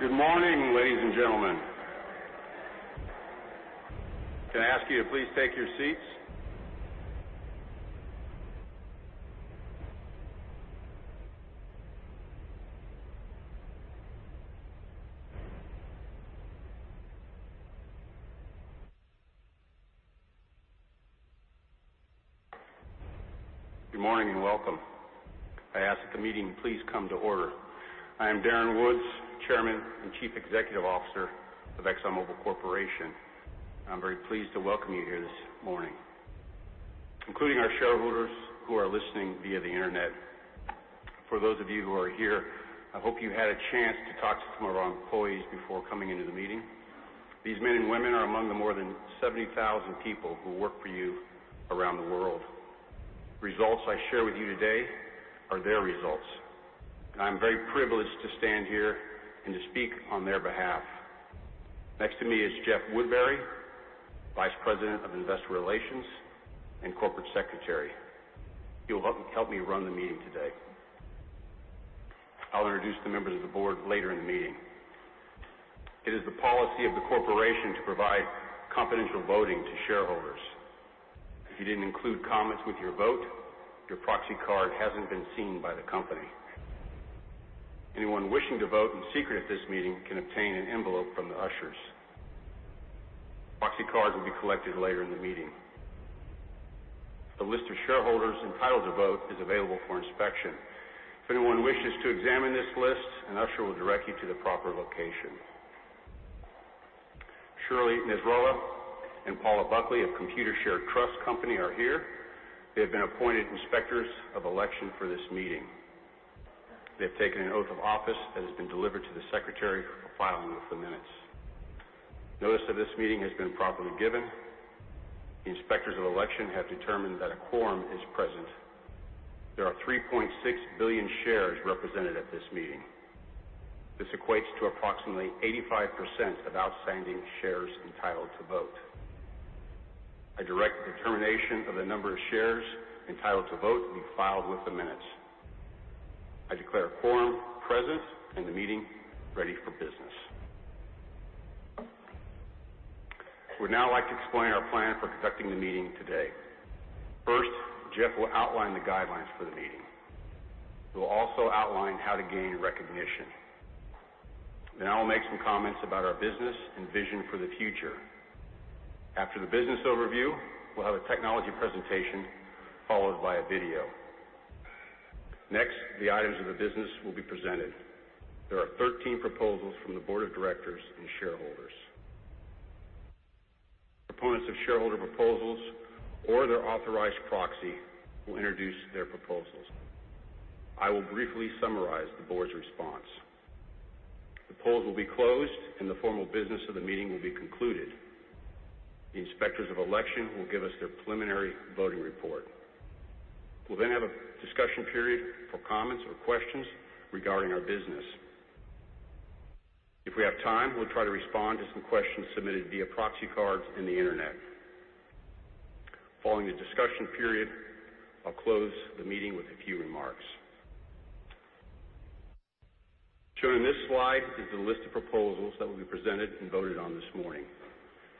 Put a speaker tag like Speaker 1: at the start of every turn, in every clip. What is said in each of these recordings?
Speaker 1: Good morning, ladies and gentlemen. Can I ask you to please take your seats? Good morning, and welcome. I ask that the meeting please come to order. I am Darren Woods, Chairman and Chief Executive Officer of Exxon Mobil Corporation. I am very pleased to welcome you here this morning, including our shareholders who are listening via the internet. For those of you who are here, I hope you had a chance to talk to some of our employees before coming into the meeting. These men and women are among the more than 70,000 people who work for you around the world. Results I share with you today are their results, and I am very privileged to stand here and to speak on their behalf. Next to me is Jeff Woodbury, Vice President of Investor Relations and Corporate Secretary. He will help me run the meeting today. I will introduce the members of the board later in the meeting. It is the policy of the corporation to provide confidential voting to shareholders. If you didn't include comments with your vote, your proxy card hasn't been seen by the company. Anyone wishing to vote in secret at this meeting can obtain an envelope from the ushers. Proxy cards will be collected later in the meeting. The list of shareholders entitled to vote is available for inspection. If anyone wishes to examine this list, an usher will direct you to the proper location. Shirley Nessralla and Paula Buckley of Computershare Trust Company are here. They have been appointed inspectors of election for this meeting. They've taken an oath of office that has been delivered to the secretary for filing with the minutes. Notice of this meeting has been properly given. The inspectors of election have determined that a quorum is present. There are 3.6 billion shares represented at this meeting. This equates to approximately 85% of outstanding shares entitled to vote. I direct the determination of the number of shares entitled to vote be filed with the minutes. I declare a quorum present and the meeting ready for business. We'd now like to explain our plan for conducting the meeting today. First, Jeff will outline the guidelines for the meeting. He will also outline how to gain recognition. Then I will make some comments about our business and vision for the future. After the business overview, we'll have a technology presentation, followed by a video. Next, the items of the business will be presented. There are 13 proposals from the board of directors and shareholders. Proponents of shareholder proposals or their authorized proxy will introduce their proposals. I will briefly summarize the board's response. The polls will be closed, and the formal business of the meeting will be concluded. The inspectors of election will give us their preliminary voting report. We'll then have a discussion period for comments or questions regarding our business. If we have time, we'll try to respond to some questions submitted via proxy cards and the internet. Following the discussion period, I will close the meeting with a few remarks. Shown in this slide is a list of proposals that will be presented and voted on this morning.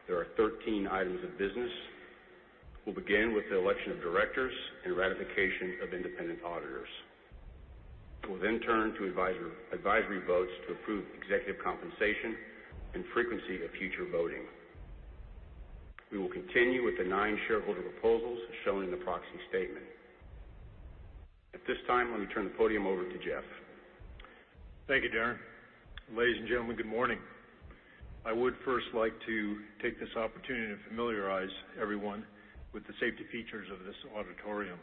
Speaker 1: There are 13 items of business. We'll begin with the election of directors and ratification of independent auditors. We'll then turn to advisory votes to approve executive compensation and frequency of future voting. We will continue with the nine shareholder proposals shown in the proxy statement. At this time, let me turn the podium over to Jeff.
Speaker 2: Thank you, Darren. Ladies and gentlemen, good morning. I would first like to take this opportunity to familiarize everyone with the safety features of this auditorium.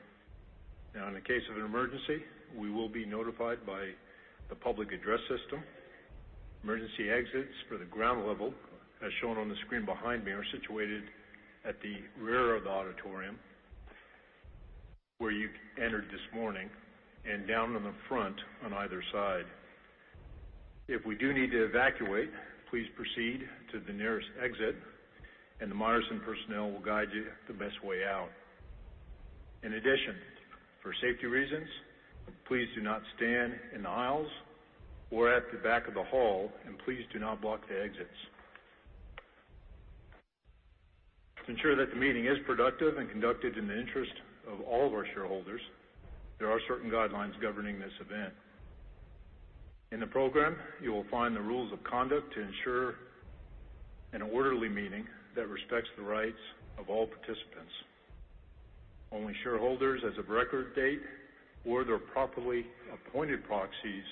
Speaker 2: In the case of an emergency, we will be notified by the public address system. Emergency exits for the ground level, as shown on the screen behind me, are situated at the rear of the auditorium, where you entered this morning, and down in the front on either side. If we do need to evacuate, please proceed to the nearest exit, and the Meyerson personnel will guide you the best way out. In addition, for safety reasons, please do not stand in the aisles or at the back of the hall, and please do not block the exits. To ensure that the meeting is productive and conducted in the interest of all of our shareholders, there are certain guidelines governing this event. In the program, you will find the rules of conduct to ensure an orderly meeting that respects the rights of all participants. Only shareholders as of record date or their properly appointed proxies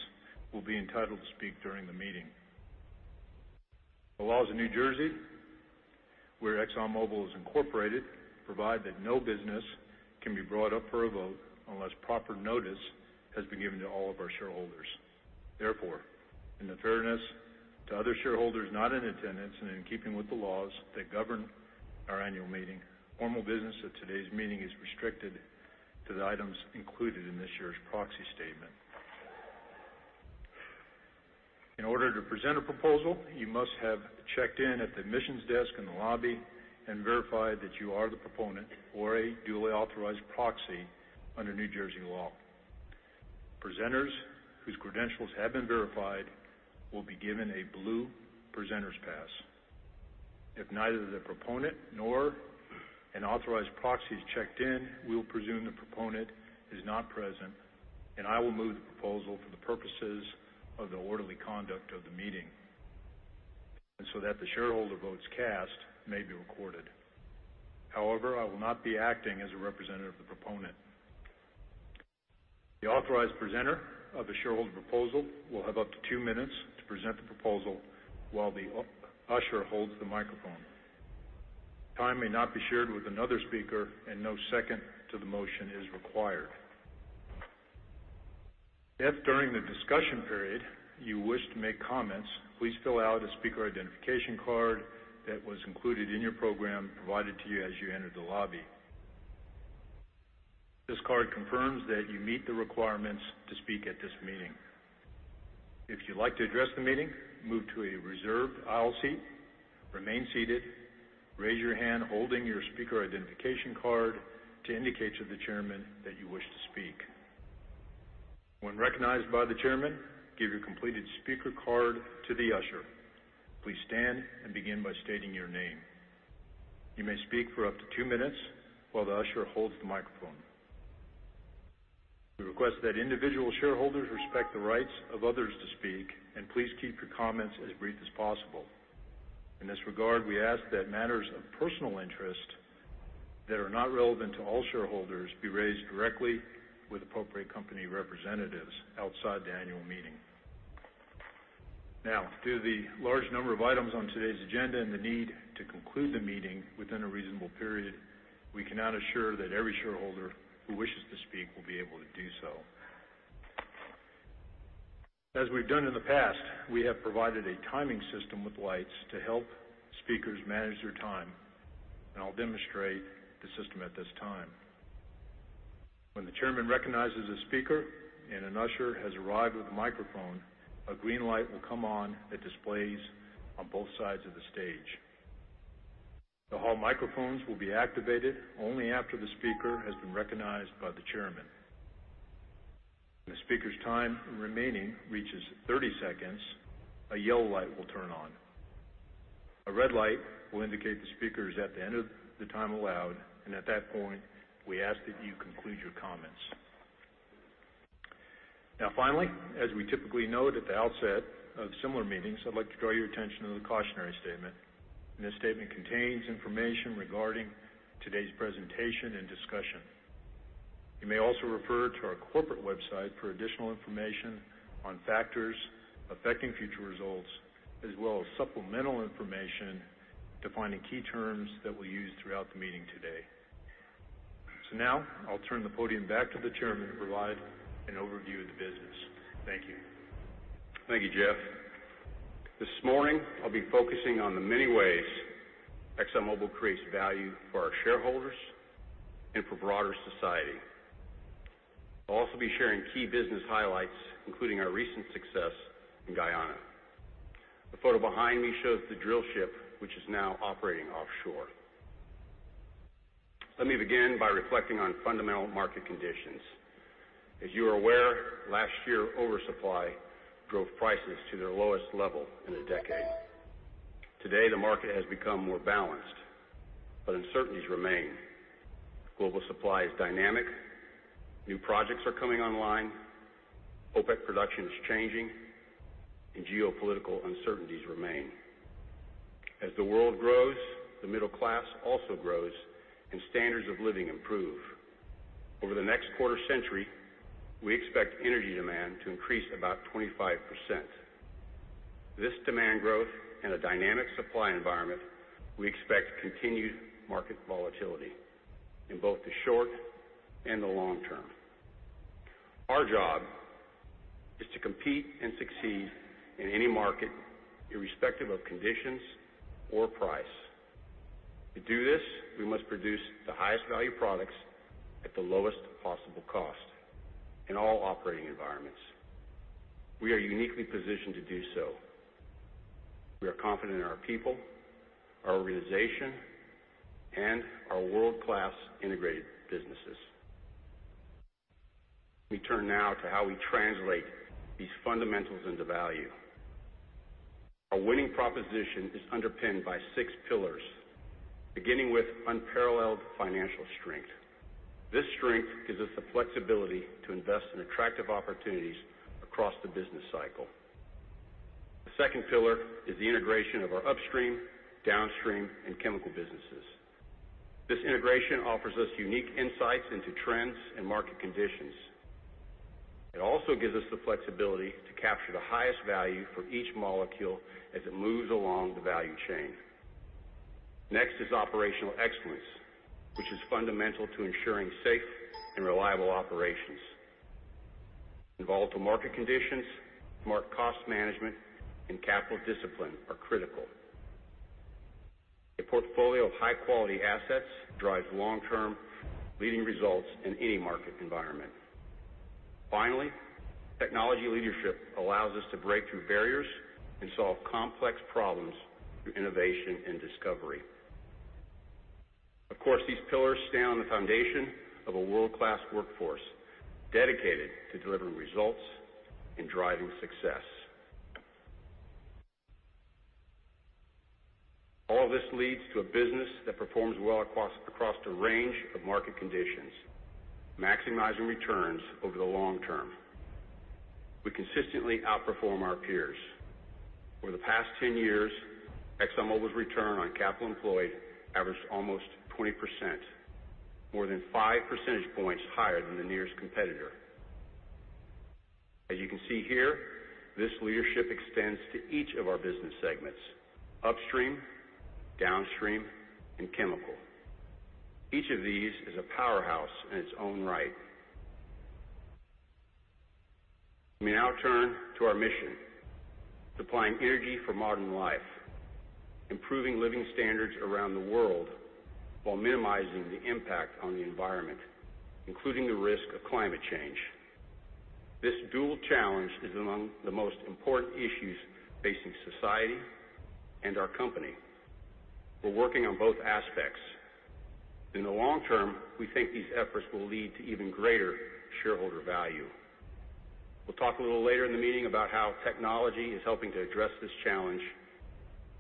Speaker 2: will be entitled to speak during the meeting. The laws of New Jersey, where ExxonMobil is incorporated, provide that no business can be brought up for a vote unless proper notice has been given to all of our shareholders. Therefore, in the fairness to other shareholders not in attendance and in keeping with the laws that govern our annual meeting, formal business of today's meeting is restricted to the items included in this year's proxy statement. In order to present a proposal, you must have checked in at the admissions desk in the lobby and verified that you are the proponent or a duly authorized proxy under New Jersey law. Presenters whose credentials have been verified will be given a blue presenter's pass. If neither the proponent nor an authorized proxy is checked in, we will presume the proponent is not present, and I will move the proposal for the purposes of the orderly conduct of the meeting, and so that the shareholder votes cast may be recorded. However, I will not be acting as a representative of the proponent. The authorized presenter of the shareholder proposal will have up to two minutes to present the proposal while the usher holds the microphone. Time may not be shared with another speaker, and no second to the motion is required. If, during the discussion period, you wish to make comments, please fill out a speaker identification card that was included in your program provided to you as you entered the lobby. This card confirms that you meet the requirements to speak at this meeting. If you'd like to address the meeting, move to a reserved aisle seat, remain seated, raise your hand holding your speaker identification card to indicate to the chairman that you wish to speak. When recognized by the chairman, give your completed speaker card to the usher. Please stand and begin by stating your name. You may speak for up to two minutes while the usher holds the microphone. We request that individual shareholders respect the rights of others to speak, and please keep your comments as brief as possible. In this regard, we ask that matters of personal interest that are not relevant to all shareholders be raised directly with appropriate company representatives outside the annual meeting. Due to the large number of items on today's agenda and the need to conclude the meeting within a reasonable period, we cannot assure that every shareholder who wishes to speak will be able to do so. As we've done in the past, we have provided a timing system with lights to help speakers manage their time, and I'll demonstrate the system at this time. When the chairman recognizes a speaker and an usher has arrived with a microphone, a green light will come on that displays on both sides of the stage. The hall microphones will be activated only after the speaker has been recognized by the chairman. When the speaker's time remaining reaches 30 seconds, a yellow light will turn on. A red light will indicate the speaker is at the end of the time allowed, and at that point, we ask that you conclude your comments. Finally, as we typically note at the outset of similar meetings, I'd like to draw your attention to the cautionary statement. This statement contains information regarding today's presentation and discussion. You may also refer to our corporate website for additional information on factors affecting future results, as well as supplemental information defining key terms that we'll use throughout the meeting today. Now I'll turn the podium back to the chairman to provide an overview of the business. Thank you.
Speaker 1: Thank you, Jeff. This morning, I'll be focusing on the many ways ExxonMobil creates value for our shareholders and for broader society. I'll also be sharing key business highlights, including our recent success in Guyana. The photo behind me shows the drill ship, which is now operating offshore. Let me begin by reflecting on fundamental market conditions. As you are aware, last year, oversupply drove prices to their lowest level in a decade. Today, the market has become more balanced, but uncertainties remain. Global supply is dynamic. New projects are coming online. OPEC production is changing, and geopolitical uncertainties remain. As the world grows, the middle class also grows, and standards of living improve. Over the next quarter-century, we expect energy demand to increase about 25%. This demand growth and a dynamic supply environment, we expect continued market volatility in both the short and the long term. Our job is to compete and succeed in any market, irrespective of conditions or price. To do this, we must produce the highest value products at the lowest possible cost in all operating environments. We are uniquely positioned to do so. We are confident in our people, our organization, and our world-class integrated businesses. Let me turn now to how we translate these fundamentals into value. Our winning proposition is underpinned by six pillars, beginning with unparalleled financial strength. This strength gives us the flexibility to invest in attractive opportunities across the business cycle. The second pillar is the integration of our upstream, downstream, and chemical businesses. This integration offers us unique insights into trends and market conditions. It also gives us the flexibility to capture the highest value for each molecule as it moves along the value chain. Next is operational excellence, which is fundamental to ensuring safe and reliable operations. In volatile market conditions, smart cost management and capital discipline are critical. A portfolio of high-quality assets drives long-term leading results in any market environment. Finally, technology leadership allows us to break through barriers and solve complex problems through innovation and discovery. Of course, these pillars stand on the foundation of a world-class workforce dedicated to delivering results and driving success. All this leads to a business that performs well across a range of market conditions, maximizing returns over the long term. We consistently outperform our peers. Over the past 10 years, Exxon Mobil's return on capital employed averaged almost 20%, more than five percentage points higher than the nearest competitor. As you can see here, this leadership extends to each of our business segments: upstream, downstream, and chemical. Each of these is a powerhouse in its own right. Let me now turn to our mission: supplying energy for modern life, improving living standards around the world while minimizing the impact on the environment, including the risk of climate change. This dual challenge is among the most important issues facing society and our company. We're working on both aspects. In the long term, we think these efforts will lead to even greater shareholder value. We'll talk a little later in the meeting about how technology is helping to address this challenge,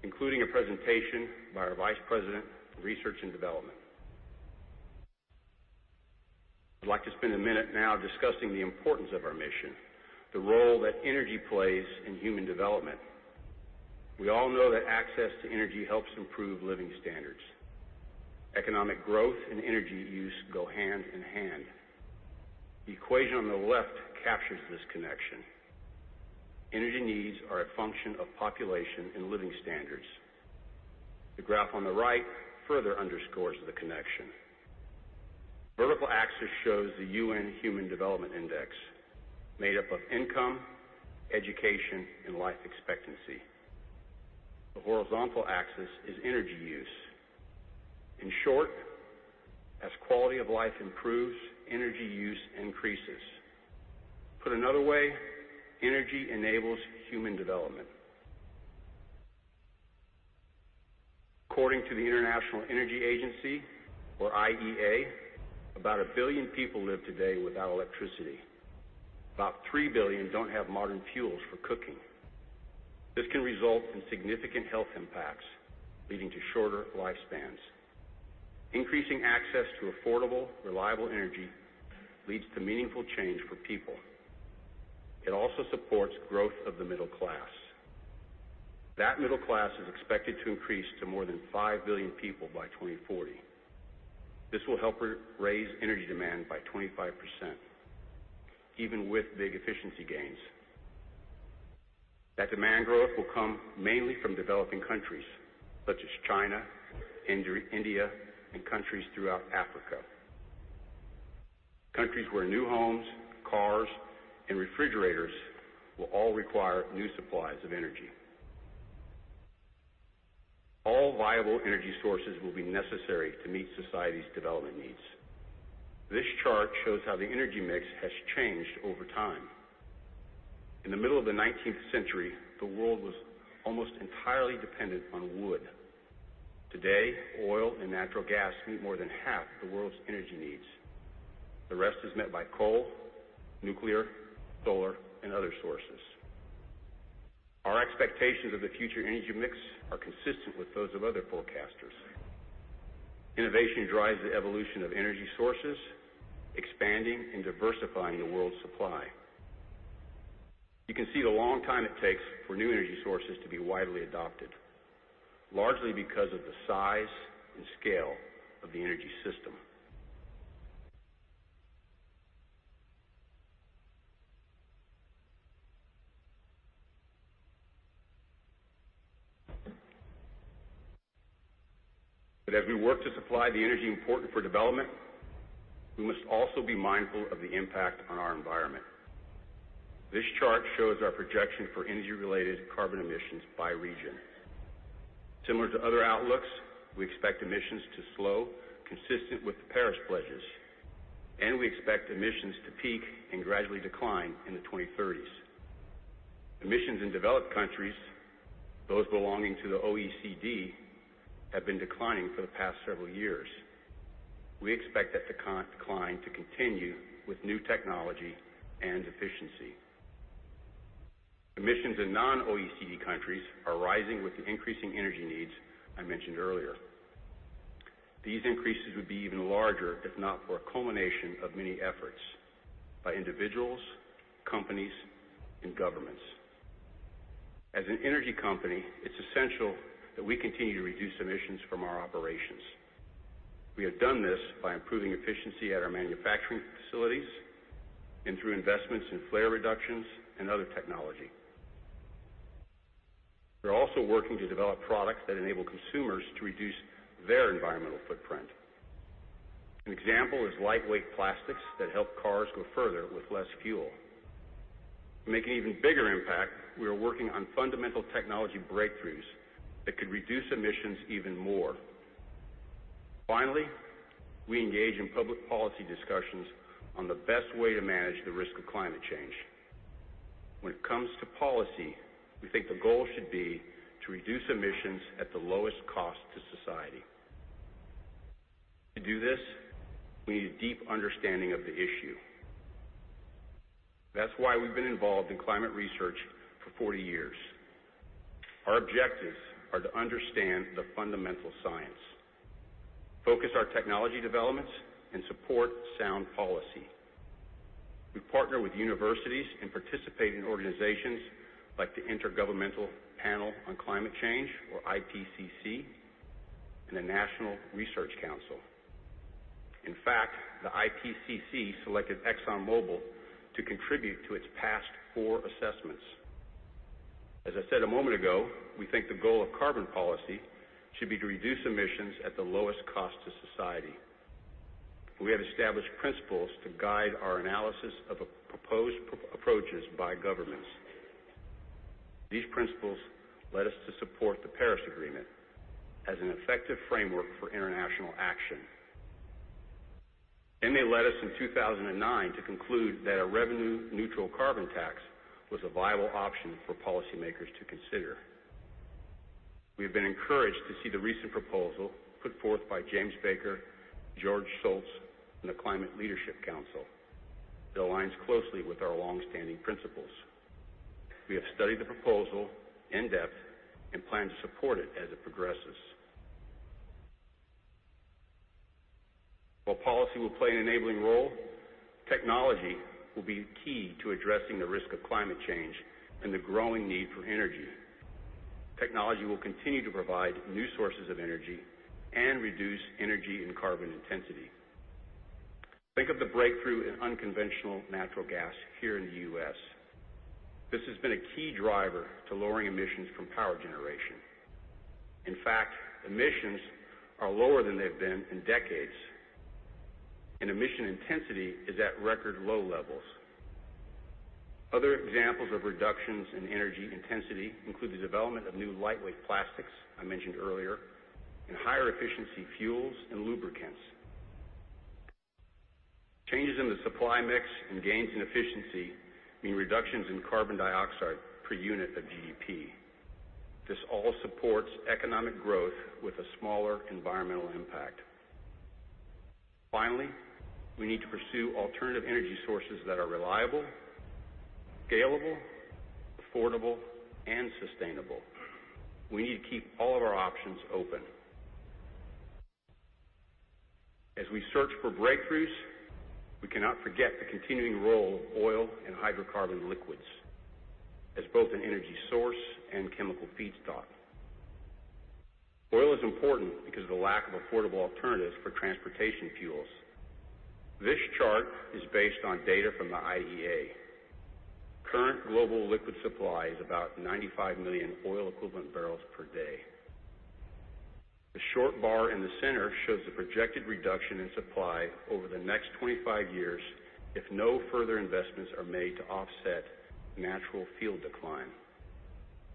Speaker 1: including a presentation by our Vice President of Research and Development. I'd like to spend a minute now discussing the importance of our mission, the role that energy plays in human development. We all know that access to energy helps improve living standards. Economic growth and energy use go hand in hand. The equation on the left captures this connection. Energy needs are a function of population and living standards. The graph on the right further underscores the connection. Vertical axis shows the UN Human Development Index, made up of income, education, and life expectancy. The horizontal axis is energy use. In short, as quality of life improves, energy use increases. Put another way, energy enables human development. According to the International Energy Agency, or IEA, about 1 billion people live today without electricity. About 3 billion don't have modern fuels for cooking. This can result in significant health impacts, leading to shorter lifespans. Increasing access to affordable, reliable energy leads to meaningful change for people. It also supports growth of the middle class. That middle class is expected to increase to more than 5 billion people by 2040. This will help raise energy demand by 25%, even with big efficiency gains. That demand growth will come mainly from developing countries such as China, India, and countries throughout Africa. Countries where new homes, cars, and refrigerators will all require new supplies of energy. All viable energy sources will be necessary to meet society's development needs. This chart shows how the energy mix has changed over time. In the middle of the 19th century, the world was almost entirely dependent on wood. Today, oil and natural gas meet more than half the world's energy needs. The rest is met by coal, nuclear, solar, and other sources. Our expectations of the future energy mix are consistent with those of other forecasters. Innovation drives the evolution of energy sources, expanding and diversifying the world's supply. You can see the long time it takes for new energy sources to be widely adopted, largely because of the size and scale of the energy system. As we work to supply the energy important for development, we must also be mindful of the impact on our environment. This chart shows our projection for energy-related carbon emissions by region. Similar to other outlooks, we expect emissions to slow consistent with the Paris pledges, and we expect emissions to peak and gradually decline in the 2030s. Emissions in developed countries, those belonging to the OECD, have been declining for the past several years. We expect that decline to continue with new technology and efficiency. Emissions in non-OECD countries are rising with the increasing energy needs I mentioned earlier. These increases would be even larger if not for a culmination of many efforts by individuals, companies, and governments. As an energy company, it's essential that we continue to reduce emissions from our operations. We have done this by improving efficiency at our manufacturing facilities and through investments in flare reductions and other technology. We're also working to develop products that enable consumers to reduce their environmental footprint. An example is lightweight plastics that help cars go further with less fuel. To make an even bigger impact, we are working on fundamental technology breakthroughs that could reduce emissions even more. Finally, we engage in public policy discussions on the best way to manage the risk of climate change. When it comes to policy, we think the goal should be to reduce emissions at the lowest cost to society. To do this, we need a deep understanding of the issue. That's why we've been involved in climate research for 40 years. Our objectives are to understand the fundamental science, focus our technology developments, and support sound policy. We partner with universities and participate in organizations like the Intergovernmental Panel on Climate Change, or IPCC, and the National Research Council. In fact, the IPCC selected ExxonMobil to contribute to its past four assessments. As I said a moment ago, we think the goal of carbon policy should be to reduce emissions at the lowest cost to society. We have established principles to guide our analysis of proposed approaches by governments. These principles led us to support the Paris Agreement as an effective framework for international action. They led us in 2009 to conclude that a revenue-neutral carbon tax was a viable option for policymakers to consider. We have been encouraged to see the recent proposal put forth by James Baker, George Shultz, and the Climate Leadership Council that aligns closely with our longstanding principles. We have studied the proposal in depth and plan to support it as it progresses. While policy will play an enabling role, technology will be key to addressing the risk of climate change and the growing need for energy. Technology will continue to provide new sources of energy and reduce energy and carbon intensity. Think of the breakthrough in unconventional natural gas here in the U.S. This has been a key driver to lowering emissions from power generation. In fact, emissions are lower than they've been in decades, and emission intensity is at record low levels. Other examples of reductions in energy intensity include the development of new lightweight plastics I mentioned earlier, and higher efficiency fuels and lubricants. Changes in the supply mix and gains in efficiency mean reductions in carbon dioxide per unit of GDP. This all supports economic growth with a smaller environmental impact. Finally, we need to pursue alternative energy sources that are reliable, scalable, affordable, and sustainable. We need to keep all of our options open. As we search for breakthroughs, we cannot forget the continuing role of oil and hydrocarbon liquids as both an energy source and chemical feedstock. Oil is important because of the lack of affordable alternatives for transportation fuels. This chart is based on data from the IEA. Current global liquid supply is about 95 million oil equivalent barrels per day. The short bar in the center shows the projected reduction in supply over the next 25 years if no further investments are made to offset natural field decline.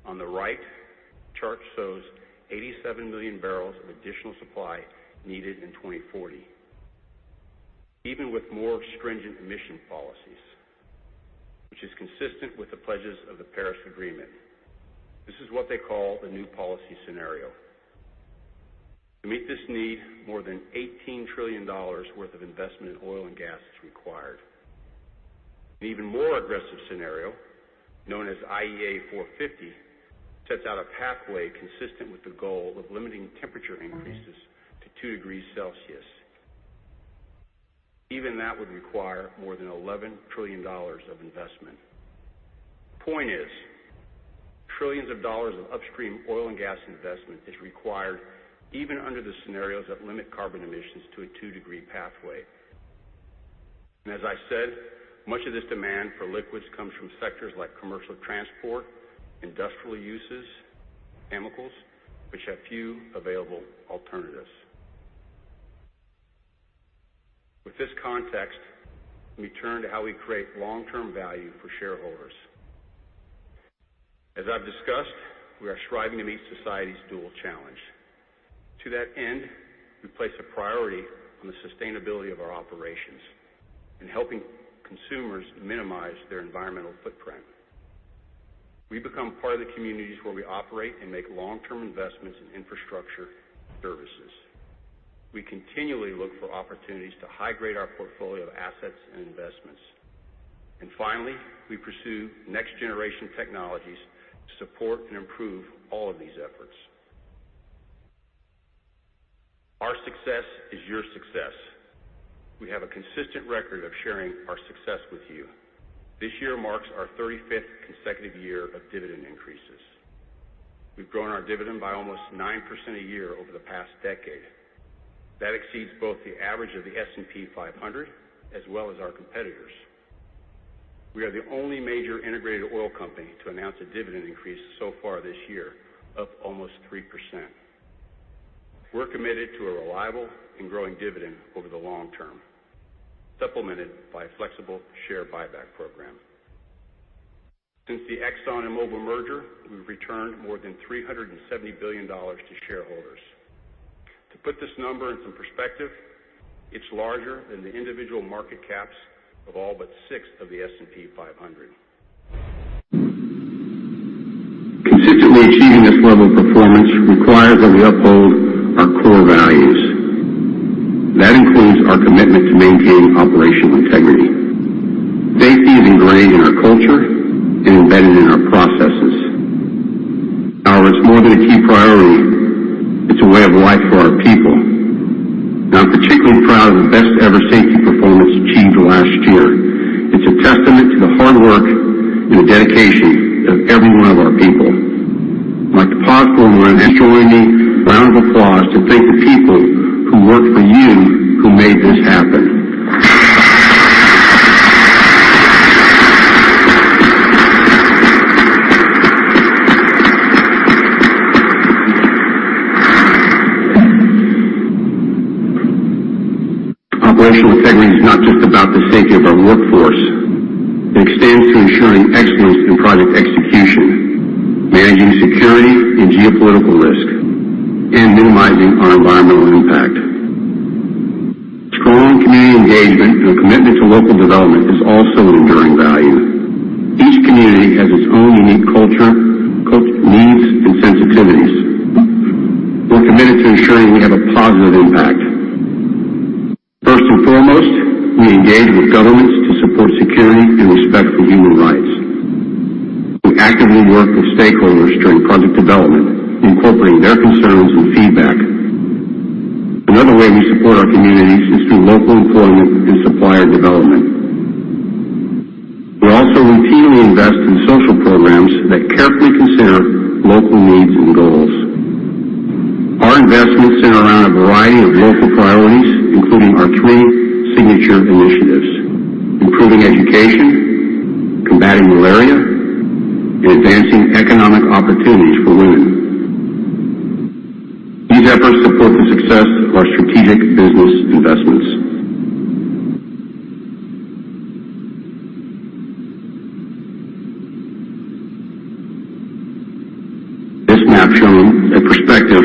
Speaker 1: On the right, the chart shows 87 million barrels of additional supply needed in 2040. Even with more stringent emission policies, which is consistent with the pledges of the Paris Agreement. This is what they call the new policy scenario. To meet this need, more than $18 trillion worth of investment in oil and gas is required. An even more aggressive scenario, known as IEA 450, sets out a pathway consistent with the goal of limiting temperature increases to two degrees Celsius. Even that would require more than $11 trillion of investment. The point is, trillions of dollars of upstream oil and gas investment is required even under the scenarios that limit carbon emissions to a two-degree pathway. As I said, much of this demand for liquids comes from sectors like commercial transport, industrial uses, chemicals, which have few available alternatives. With this context, let me turn to how we create long-term value for shareholders. As I've discussed, we are striving to meet society's dual challenge. To that end, we place a priority on the sustainability of our operations and helping consumers minimize their environmental footprint. We become part of the communities where we operate and make long-term investments in infrastructure and services. We continually look for opportunities to high-grade our portfolio of assets and investments. Finally, we pursue next-generation technologies to support and improve all of these efforts. Our success is your success. We have a consistent record of sharing our success with you. This year marks our 35th consecutive year of dividend increases. We've grown our dividend by almost 9% a year over the past decade. That exceeds both the average of the S&P 500 as well as our competitors. We are the only major integrated oil company to announce a dividend increase so far this year, up almost 3%. We're committed to a reliable and growing dividend over the long term, supplemented by a flexible share buyback program. Since the Exxon and Mobil merger, we've returned more than $370 billion to shareholders To put this number in some perspective, it's larger than the individual market caps of all but six of the S&P 500. Consistently achieving this level of performance requires that we uphold our core values. That includes our commitment to maintaining operational integrity. Safety is ingrained in our culture and embedded in our processes. However, it's more than a key priority, it's a way of life for our people. I'm particularly proud of the best-ever safety performance achieved last year. It's a testament to the hard work and the dedication of every one of our people. I'd like to pause for a minute and join me in a round of applause to thank the people who work for you, who made this happen. Operational integrity is not just about the safety of our workforce. It extends to ensuring excellence in project execution, managing security and geopolitical risk, and minimizing our environmental impact. Strong community engagement and a commitment to local development is also an enduring value. Each community has its own unique culture, needs, and sensitivities. We're committed to ensuring we have a positive impact. First and foremost, we engage with governments to support security and respect for human rights. We actively work with stakeholders during project development, incorporating their concerns and feedback. Another way we support our communities is through local employment and supplier development. We also routinely invest in social programs that carefully consider local needs and goals. Our investments center around a variety of local priorities, including our three signature initiatives: improving education, combating malaria, and advancing economic opportunities for women. These efforts support the success of our strategic business investments. This map shows a perspective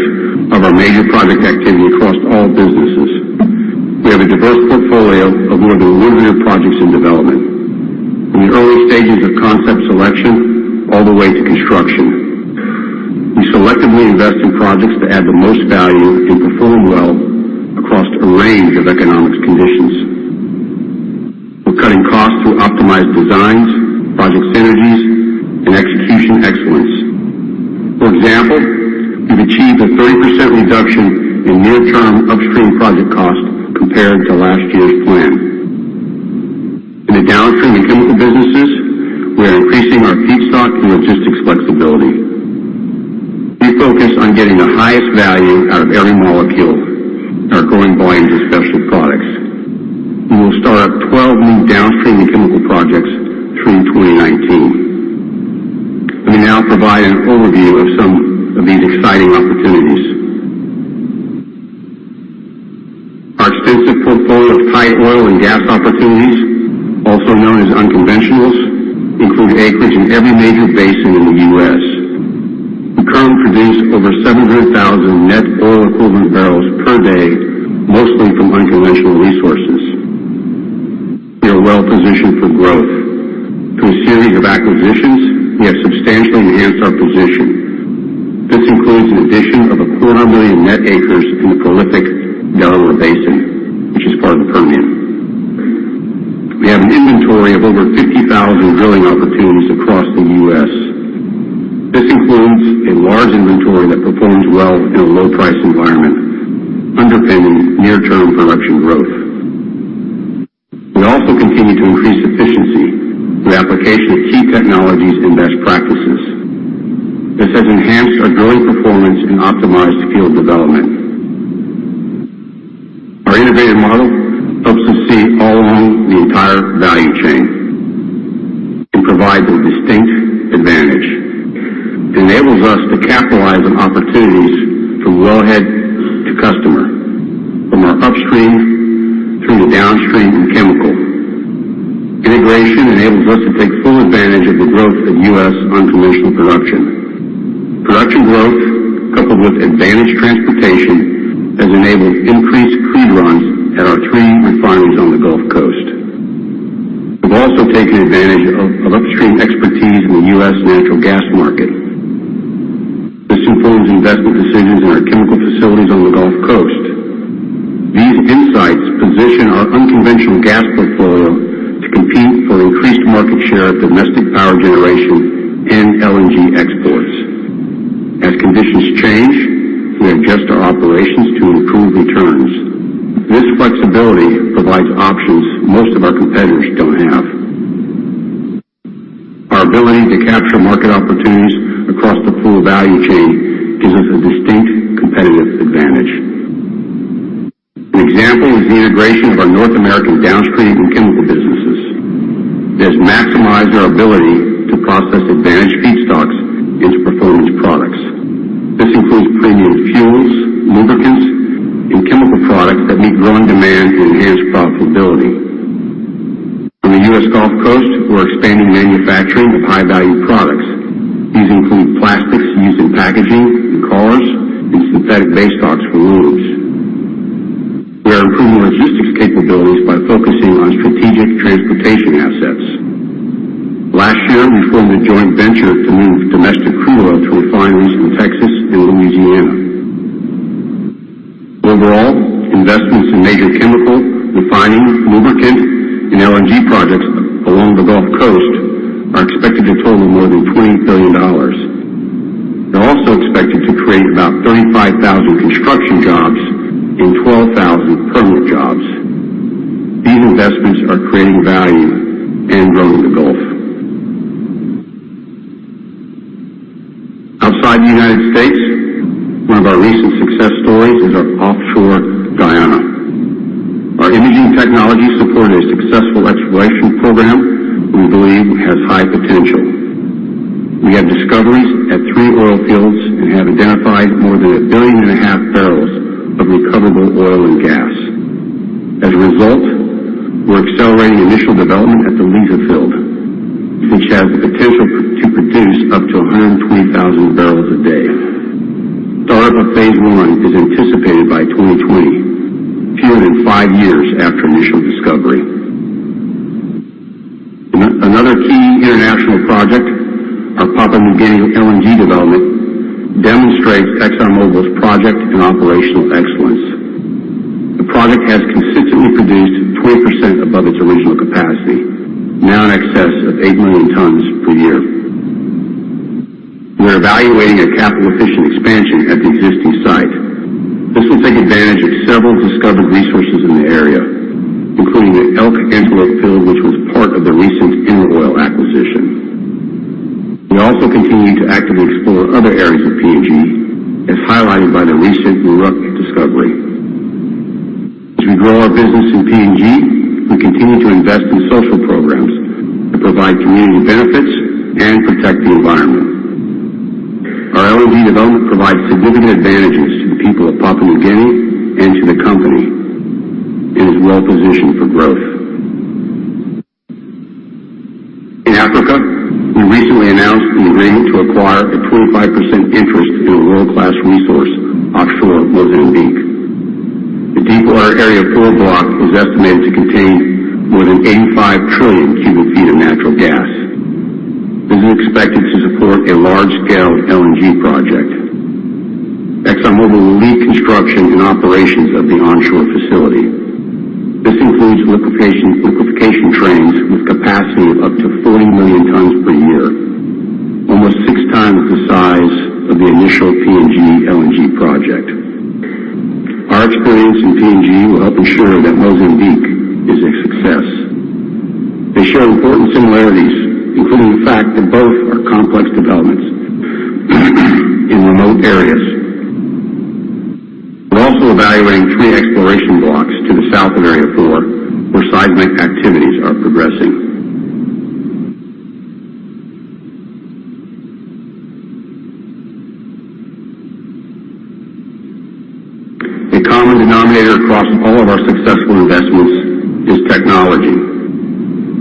Speaker 1: of our major project activity across all businesses. We have a diverse portfolio of more than 100 projects in development. From the early stages of concept selection all the way to construction. We selectively invest in projects that add the most value and perform well across a range of economic conditions. We're cutting costs through optimized designs, project synergies, and execution excellence. For example, we've achieved a 30% reduction in near-term upstream project costs compared to last year's plan. In the downstream and chemical businesses, we are increasing our feedstock and logistics flexibility. We focus on getting the highest value out of every molecule and are going volume to special products. We will start up 12 new downstream and chemical projects through 2019. Let me now provide an overview of some of these exciting opportunities. Our extensive portfolio of tight oil and gas opportunities, also known as unconventionals, include acreage in every major basin in the U.S. We currently produce over 700,000 net oil equivalent barrels per day, mostly from unconventional resources. We are well-positioned for growth. Through a series of acquisitions, we have substantially enhanced our position. This includes an addition of a quarter million net acres in the prolific Delaware Basin, which is part of the Permian. We have an inventory of over 50,000 drilling opportunities across the U.S. This includes a large inventory that performs well in a low-price environment, underpinning near-term production growth. We also continue to increase efficiency through the application of key technologies and best practices. This has enhanced our drilling performance and optimized field development. Our innovative model helps us see all along the entire value chain and provides a distinct advantage. It enables us to capitalize on opportunities from wellhead to customer, from our upstream through to downstream and chemical. Integration enables us to take full advantage of the growth of U.S. unconventional production. Production growth, coupled with advantaged transportation, has enabled increased crude runs at our three refineries on the Gulf Coast. We've also taken advantage of upstream expertise in the U.S. natural gas market. This informs investment decisions in our chemical facilities on the Gulf Coast. These insights position our unconventional gas portfolio to compete for increased market share of domestic power generation and LNG exports. As conditions change, we adjust our operations to improve returns. This flexibility provides options most of our competitors don't have. Our ability to capture market opportunities across the full value chain gives us a distinct competitive advantage. An example is the integration of our North American downstream and chemical businesses. It has maximized our ability to process advantaged feedstocks into performance products. This includes premium fuels, lubricants, and chemical products that meet growing demand and enhance profitability. On the U.S. Gulf Coast, we're expanding manufacturing of high-value products. These include plastics used in packaging and cars and synthetic basestocks for roofs. We are improving logistics capabilities by focusing on strategic transportation assets. Last year, we formed a joint venture to move domestic crude oil to refineries in Texas and Louisiana. Overall, investments in major chemical, refining, lubricant, and LNG projects along the Gulf Coast are expected to total more than $20 billion. They're also expected to create about 35,000 construction jobs and 12,000 permanent jobs. These investments are creating value and growing the Gulf. Outside the United States, one of our recent success stories is offshore Guyana. Our imaging technology supported a successful exploration program we believe has high potential. We had discoveries at three oil fields and have identified more than a billion and a half barrels of recoverable oil and gas. As a result, we're accelerating initial development at the Liza field, which has the potential to produce up to 120,000 barrels a day. Startup of phase 1 is anticipated by 2020, fewer than five years after initial discovery. Another key international project, our Papua New Guinea LNG development, demonstrates Exxon Mobil's project and operational excellence. The project has consistently produced 20% above its original capacity, now in excess of 8 million tons per year. We're evaluating a capital-efficient expansion at the existing site. This will take advantage of several discovered resources in the area, including the Elk Antelope field, which was part of the recent InterOil acquisition. We also continue to actively explore other areas of PNG, as highlighted by the recent Muruk discovery. As we grow our business in PNG, we continue to invest in social programs that provide community benefits and protect the environment. Our LNG development provides significant advantages to the people of Papua New Guinea and to the company. It is well-positioned for growth. In Africa, we recently announced we agreed to acquire a 25% interest in a world-class resource offshore Mozambique. The deepwater Area Four block is estimated to contain more than 85 trillion cubic feet of natural gas. This is expected to support a large-scale LNG project. Exxon Mobil will lead construction and operations of the onshore facility. This includes liquefaction trains with capacity of up to 40 million tons per year, almost six times the size of the initial PNG LNG project. Our experience in PNG will help ensure that Mozambique is a success. They share important similarities, including the fact that both are complex developments in remote areas. We are also evaluating three exploration blocks to the south of Area Four, where seismic activities are progressing. A common denominator across all of our successful investments is technology.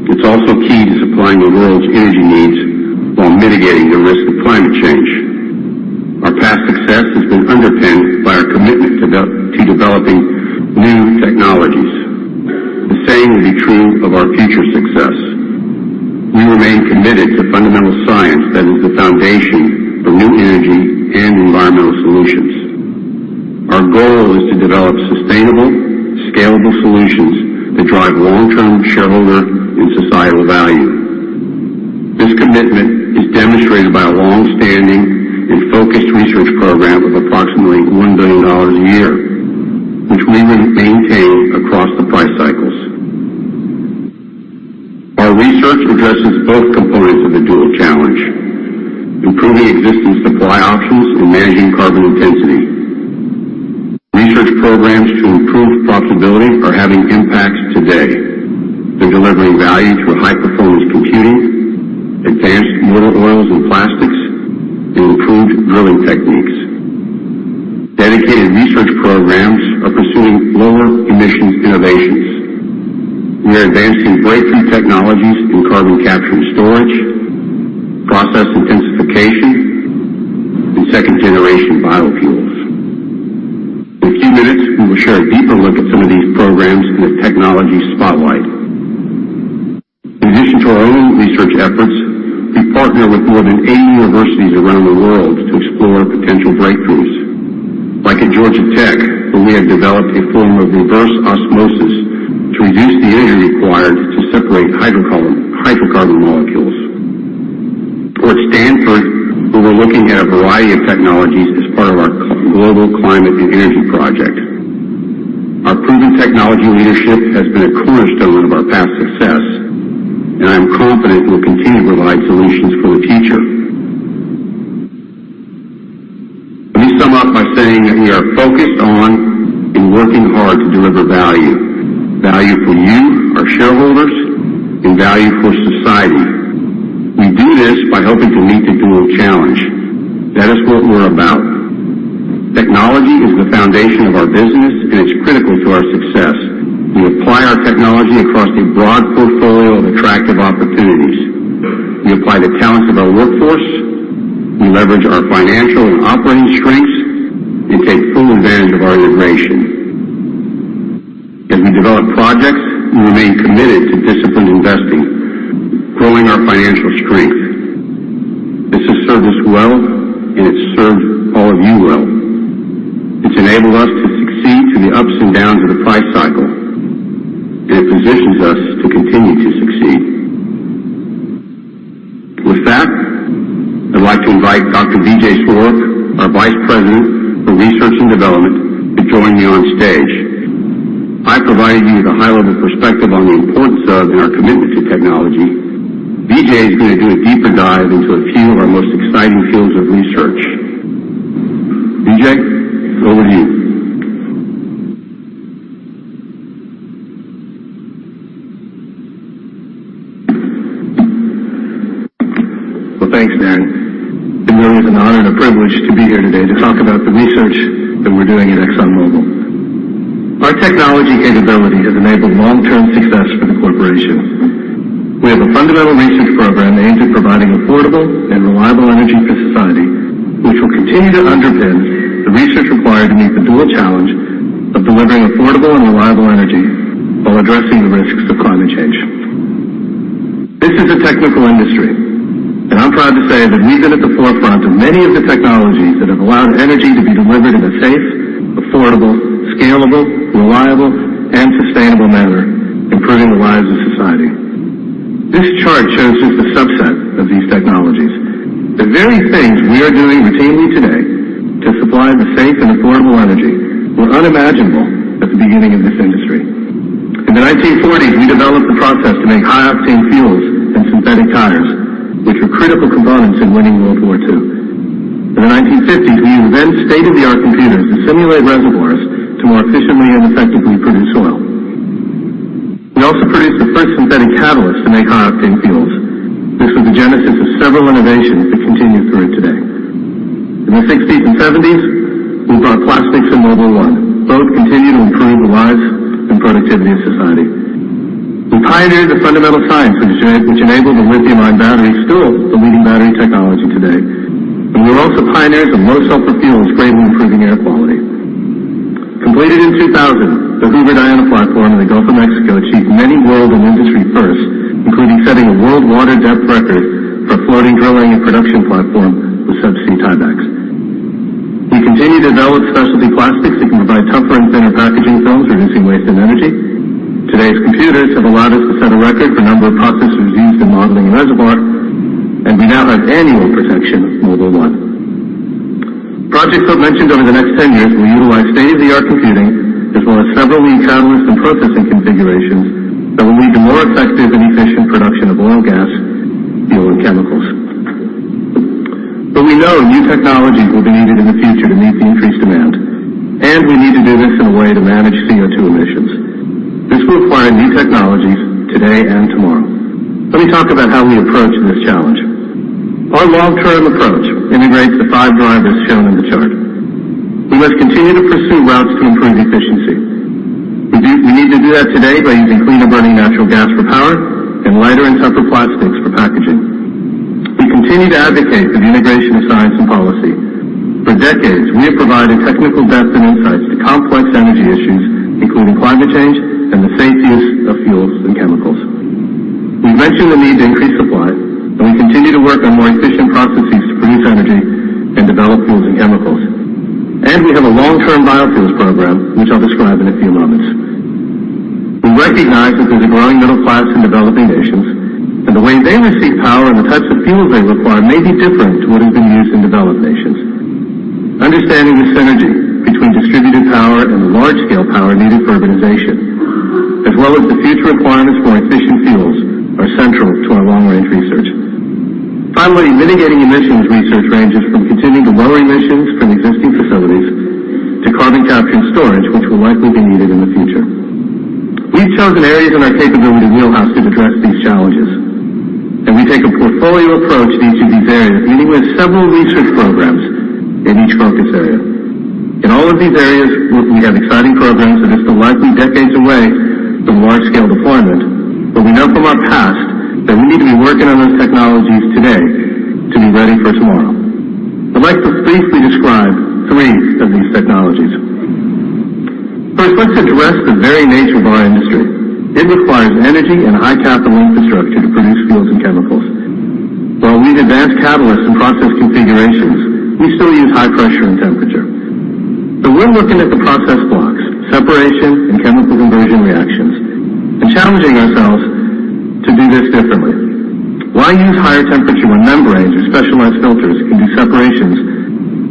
Speaker 1: It is also key to supplying the world's energy needs while mitigating the risk of climate change. Our past success has been underpinned by our commitment to developing new technologies. The same will be true of our future success. We remain committed to fundamental science that is the foundation for new energy and environmental solutions. Our goal is to develop sustainable, scalable solutions that drive long-term shareholder and societal value. This commitment is demonstrated by a longstanding and focused research program of approximately $1 billion a year, which we will maintain across the price cycles. Our research addresses both components of the dual challenge: improving existing supply options and managing carbon intensity. Research programs to improve profitability are having impacts today. They are delivering value through high-performance computing, advanced motor oils and plastics, and improved drilling techniques. Dedicated research programs are pursuing lower emissions innovations. We are advancing breakthrough technologies in carbon capture and storage, process intensification, and second-generation biofuels. In a few minutes, we will share a deeper look at some of these programs in a technology spotlight. In addition to our own research efforts, we partner with more than 80 universities around the world to explore potential breakthroughs, like at Georgia Tech, where we have developed a form of reverse osmosis to reduce the energy required to separate hydrocarbon molecules, or at Stanford, where we are looking at a variety of technologies as part of our global climate and energy project. Our proven technology leadership has been a cornerstone of our past success, and I am confident we will continue to provide solutions for the future. Let me sum up by saying that we are focused on and working hard to deliver value for you, our shareholders, and value for society. We do this by helping to meet the dual challenge. That is what we are about. Technology is the foundation of our business, and it is critical to our success. We apply our technology across a broad portfolio of attractive opportunities. We apply the talents of our workforce, we leverage our financial and operating strengths, and take full advantage of our integration. As we develop projects, we remain committed to disciplined investing, growing our financial strength. This has served us well, and it has served all of you well. It's enabled us to succeed through the ups and downs of the price cycle, and it positions us to continue to succeed. With that, I'd like to invite Dr. Vijay Swarup, our Vice President for Research and Development, to join me on stage. I provided you with a high-level perspective on the importance of and our commitment to technology. Vijay is going to do a deeper dive into a few of our most exciting fields of research. Vijay, it's over to you.
Speaker 3: Well, thanks, Darren. It really is an honor and a privilege to be here today to talk about the research that we're doing at ExxonMobil. Our technology capability has enabled long-term success for the corporation. We have a fundamental research program aimed at providing affordable and reliable energy for society, which will continue to underpin the research required to meet the dual challenge of delivering affordable and reliable energy while addressing the risks of climate change. This is a technical industry, and I'm proud to say that we've been at the forefront of many of the technologies that have allowed energy to be delivered in a safe, affordable, scalable, reliable, and sustainable manner, improving the lives of society. This chart shows just a subset of these technologies. The very things we are doing routinely today to supply the safe and affordable energy were unimaginable at the beginning of this industry. In the 1940s, we developed the process to make high-octane fuels and synthetic tires, which were critical components in winning World War II. In the 1950s, we used then state-of-the-art computers to simulate reservoirs to more efficiently and effectively produce oil. We also produced the first synthetic catalyst to make high-octane fuels. This was the genesis of several innovations that continue through today. In the '60s and '70s, we brought plastics and Mobil 1. Both continue to improve the lives and productivity of society. We pioneered the fundamental science which enabled the lithium-ion battery, still the leading battery technology today, and we were also pioneers of low sulfur fuels, greatly improving air quality. Completed in 2000, the Hoover Diana platform in the Gulf of Mexico achieved many world and industry firsts, including setting a world water depth record for a floating drilling and production platform with subsea tiebacks. We continue to develop specialty plastics that can provide tougher and thinner packaging films, reducing waste and energy. Today's computers have allowed us to set a record for the number of processors used in modeling a reservoir, and we now have annual production of Mobil 1. Projects I've mentioned over the next 10 years will utilize state-of-the-art computing as well as several new catalysts and processing configurations that will lead to more effective and efficient production of oil and gas, fuel, and chemicals. We know new technologies will be needed in the future to meet the increased demand, and we need to do this in a way to manage CO2 emissions. This will require new technologies today and tomorrow. Let me talk about how we approach this challenge. Our long-term approach integrates the five drivers shown in the chart. We must continue to pursue routes to improve efficiency. We need to do that today by using cleaner-burning natural gas for power and lighter and tougher plastics for packaging. We continue to advocate for the integration of science and policy. For decades, we have provided technical depth and insights to complex energy issues, including climate change and the safe use of fuels and chemicals. We mention the need to increase supply, we continue to work on more efficient processes to produce energy and develop fuels and chemicals. We have a long-term biofuels program, which I'll describe in a few moments. We recognize that there's a growing middle class in developing nations, and the way they receive power and the types of fuels they require may be different to what has been used in developed nations. Understanding the synergy between distributed power and the large-scale power needed for urbanization, as well as the future requirements for efficient fuels, are central to our long-range research. Finally, mitigating emissions research ranges from continuing to lower emissions from existing facilities to carbon capture and storage, which will likely be needed in the future. We've chosen areas in our capabilities wheelhouse to address these challenges, we take a portfolio approach to each of these areas, meaning we have several research programs in each focus area. In all of these areas, we have exciting programs that are still likely decades away from large-scale deployment, but we know from our past that we need to be working on those technologies today to be ready for tomorrow. I'd like to briefly describe three of these technologies. First, let's address the very nature of our industry. It requires energy and high capital infrastructure to produce fuels and chemicals. While we've advanced catalysts and process configurations, we still use high pressure and temperature. We're looking at the process blocks, separation, and chemical conversion reactions, challenging ourselves to do this differently. Why use higher temperature when membranes or specialized filters can do separations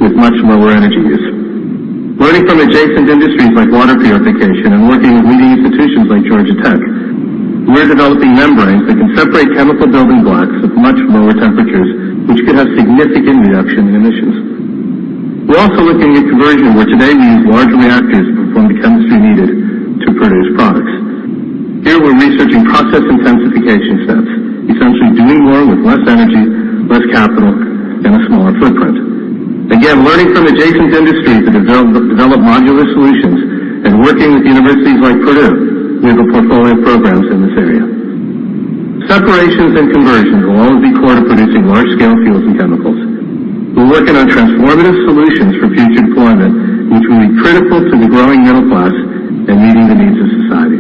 Speaker 3: with much lower energy use? Learning from adjacent industries like water purification and working with leading institutions like Georgia Tech, we're developing membranes that can separate chemical building blocks with much lower temperatures, which could have significant reduction in emissions. We're also looking at conversion where today we use large reactors to perform the chemistry needed to produce. Here we're researching process intensification steps, essentially doing more with less energy, less capital, and a smaller footprint. Again, learning from adjacent industries to develop modular solutions and working with universities like Purdue. We have a portfolio of programs in this area. Separations and conversions will always be core to producing large-scale fuels and chemicals. We're working on transformative solutions for future deployment, which will be critical to the growing middle class and meeting the needs of society.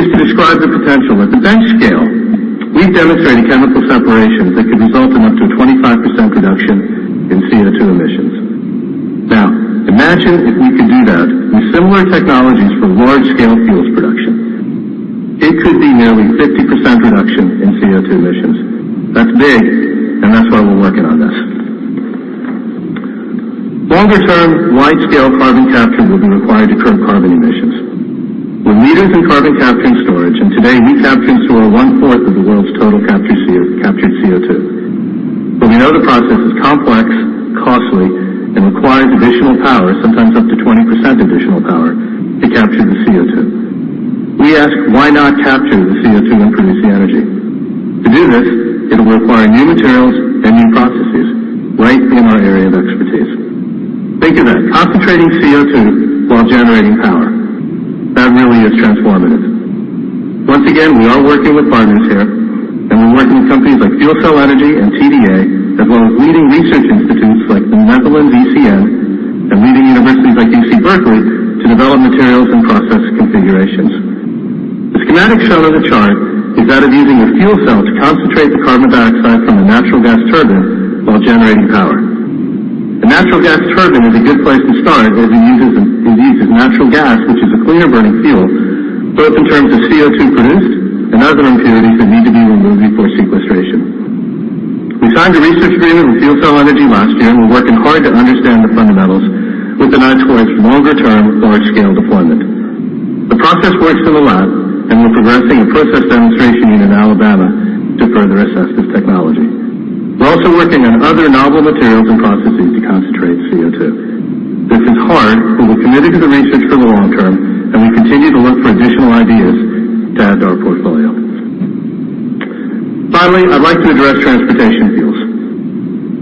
Speaker 3: Just to describe the potential, at the bench scale, we've demonstrated chemical separations that could result in up to a 25% reduction in CO2 emissions. Now, imagine if we could do that with similar technologies for large-scale fuels production. It could be nearly 50% reduction in CO2 emissions. That's big, that's why we're working on this. Longer term, wide-scale carbon capture will be required to curb carbon emissions. We're leaders in carbon capture and storage, and today we capture and store one-fourth of the world's total captured CO2. We know the process is complex, costly, and requires additional power, sometimes up to 20% additional power, to capture the CO2. We ask why not capture the CO2 and produce the energy? To do this, it'll require new materials and new processes right in our area of expertise. Think of that, concentrating CO2 while generating power. That really is transformative. Once again, we are working with partners here, and we're working with companies like FuelCell Energy and TDA, as well as leading research institutes like the Netherlands ECN and leading universities like UC Berkeley to develop materials and process configurations. The schematic shown on the chart is that of using a fuel cell to concentrate the carbon dioxide from a natural gas turbine while generating power. The natural gas turbine is a good place to start as it uses natural gas, which is a cleaner burning fuel, both in terms of CO2 produced and other impurities that need to be removed before sequestration. We signed a research agreement with FuelCell Energy last year, and we're working hard to understand the fundamentals with an eye towards longer-term, large-scale deployment. The process works in the lab, and we're progressing a process demonstration unit in Alabama to further assess this technology. We're also working on other novel materials and processes to concentrate CO2. This is hard, we're committed to the research for the long term, and we continue to look for additional ideas to add to our portfolio. Finally, I'd like to address transportation fuels.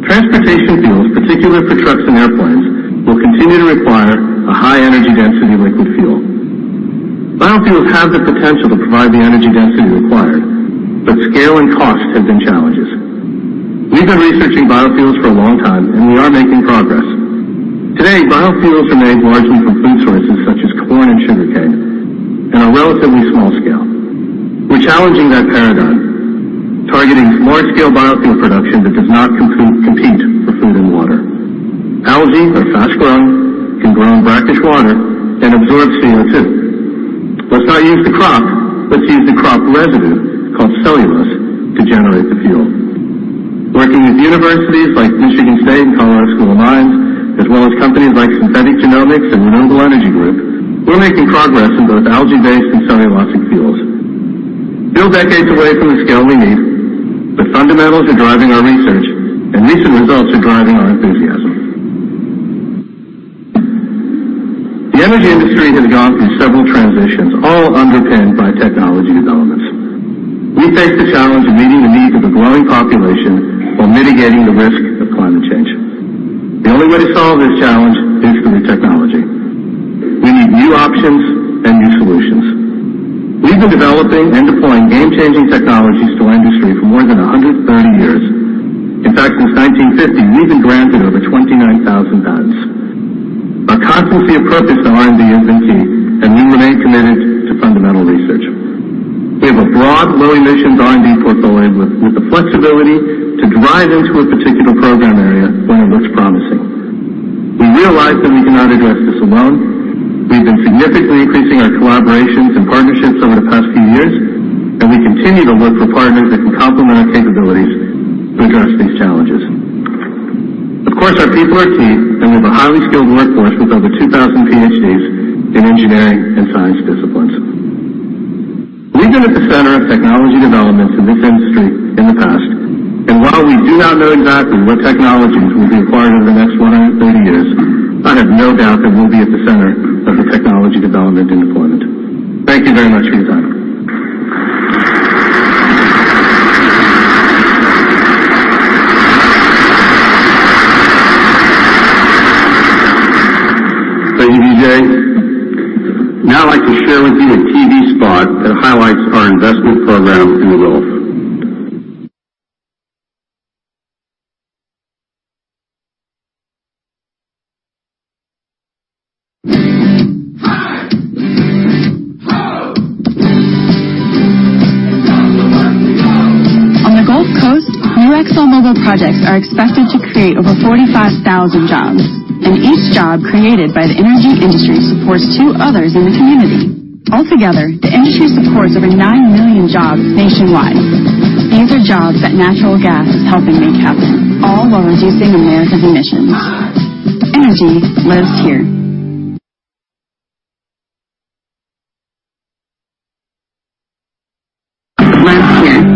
Speaker 3: Transportation fuels, particularly for trucks and airplanes, will continue to require a high energy density liquid fuel. Biofuels have the potential to provide the energy density required, scale and cost have been challenges. We've been researching biofuels for a long time, and we are making progress. Today, biofuels are made largely from food sources such as corn and sugarcane in a relatively small scale. We're challenging that paradigm, targeting large-scale biofuel production that does not compete for food and water. Algae are fast growing, can grow in brackish water, and absorb CO2. Let's not use the crop. Let's use the crop residue, called cellulose, to generate the fuel. Working with universities like Michigan State and Colorado School of Mines, as well as companies like Synthetic Genomics and Renewable Energy Group, we're making progress in both algae-based and cellulosic fuels. Still decades away from the scale we need, fundamentals are driving our research, and recent results are driving our enthusiasm. The energy industry has gone through several transitions, all underpinned by technology developments. We face the challenge of meeting the needs of a growing population while mitigating the risk of climate change. The only way to solve this challenge is through technology. We need new options and new solutions. We've been developing and deploying game-changing technologies to industry for more than 130 years. In fact, since 1950, we've been granted over 29,000 patents. Our constancy approach to R&D is unique, and we remain committed to fundamental research. We have a broad low emissions R&D portfolio with the flexibility to drive into a particular program area when it looks promising. We realize that we cannot address this alone. We've been significantly increasing our collaborations and partnerships over the past few years, and we continue to look for partners that can complement our capabilities to address these challenges. Our people are key, and we have a highly skilled workforce with over 2,000 PhDs in engineering and science disciplines. We've been at the center of technology developments in this industry in the past, and while we do not know exactly what technologies will be required over the next 130 years, I have no doubt that we'll be at the center of the technology development and deployment. Thank you very much for your time.
Speaker 1: Thank you, Vijay. Now I'd like to share with you a TV spot that highlights our investment program in the Gulf.
Speaker 4: Hey. Ho. It's also where we go. On the Gulf Coast, new ExxonMobil projects are expected to create over 45,000 jobs, and each job created by the energy industry supports two others in the community. Altogether, the industry supports over nine million jobs nationwide. These are jobs that natural gas is helping make happen, all while reducing millions of emissions. Energy lives here.
Speaker 1: Now we turn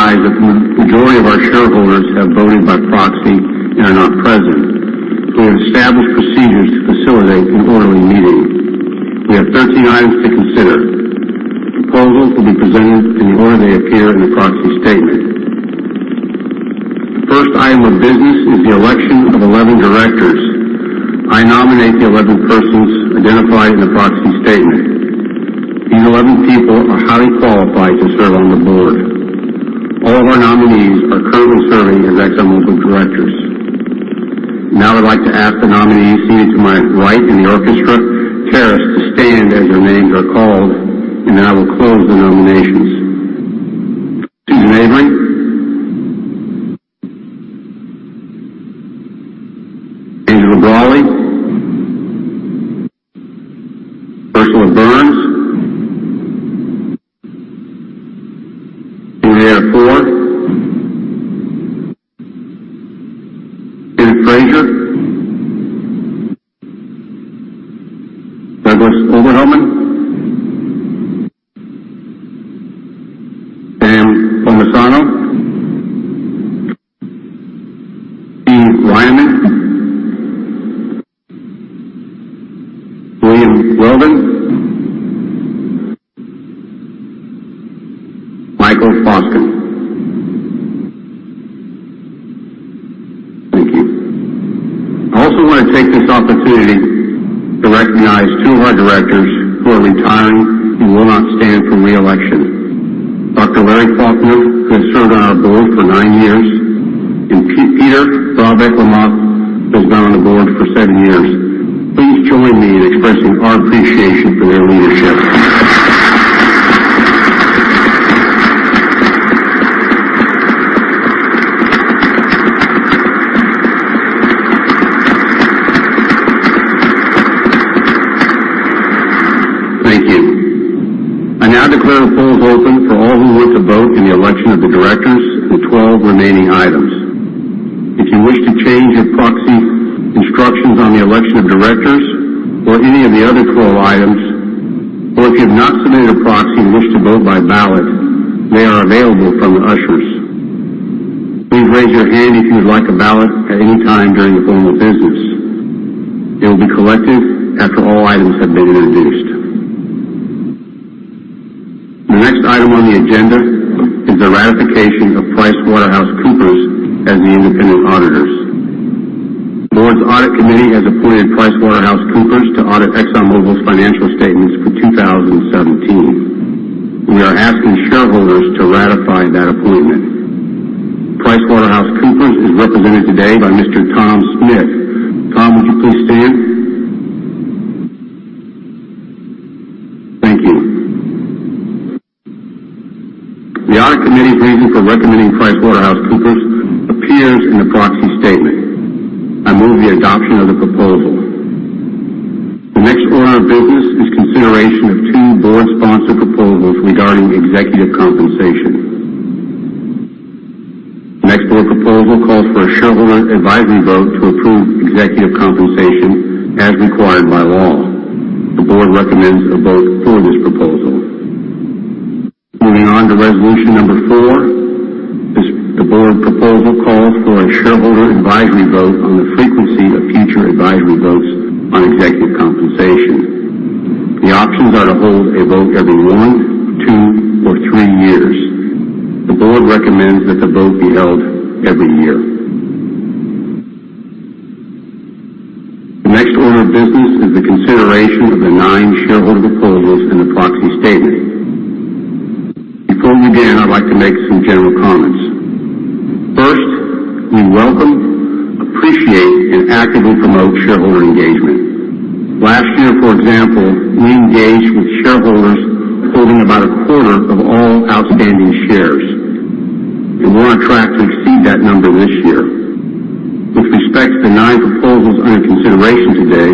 Speaker 1: to the formal business of the meeting. We recognize that the majority of our shareholders have voted by proxy and are not present. We have established procedures to facilitate an orderly meeting. We have 13 items to consider. Proposals will be presented in the order they appear in the proxy statement. The first item of business is the election of 11 directors. I nominate the 11 persons identified in the proxy statement. These 11 people are highly qualified to serve on the board. All of our nominees are currently serving as ExxonMobil directors. Now I'd like to ask the nominees seated to my right in the orchestra terrace to stand as their names are called, and then I will close the nominations. Susan Avery. The audit committee's reason for recommending PricewaterhouseCoopers appears in the proxy statement. I move the adoption of the proposal. The next order of business is consideration of two board-sponsored proposals regarding executive compensation. The next board proposal calls for a shareholder advisory vote to approve executive compensation as required by law. The board recommends a vote for this proposal. Moving on to resolution number 4, the board proposal calls for a shareholder advisory vote on the frequency of future advisory votes on executive compensation. The options are to hold a vote every one, two, or three years. The board recommends that the vote be held every year. The next order of business is the consideration of the 9 shareholder proposals in the proxy statement. Before we begin, I'd like to make some general comments. First, we welcome, appreciate, and actively promote shareholder engagement. Last year, for example, we engaged with shareholders holding about a quarter of all outstanding shares. And we're on track to exceed that number this year. With respect to the 9 proposals under consideration today,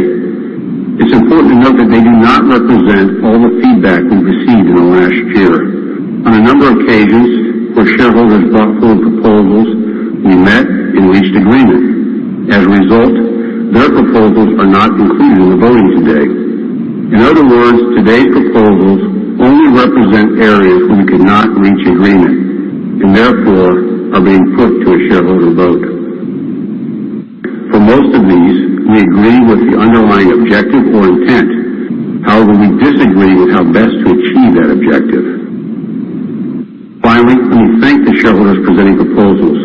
Speaker 1: it's important to note that they do not represent all the feedback we've received in the last year. On a number of occasions, where shareholders brought forward proposals, we met and reached agreement. As a result, their proposals are not included in the voting today. In other words, today's proposals only represent areas where we could not reach agreement, and therefore, are being put to a shareholder vote. For most of these, we agree with the underlying objective or intent. However, we disagree with how best to achieve that objective. Finally, we thank the shareholders presenting proposals.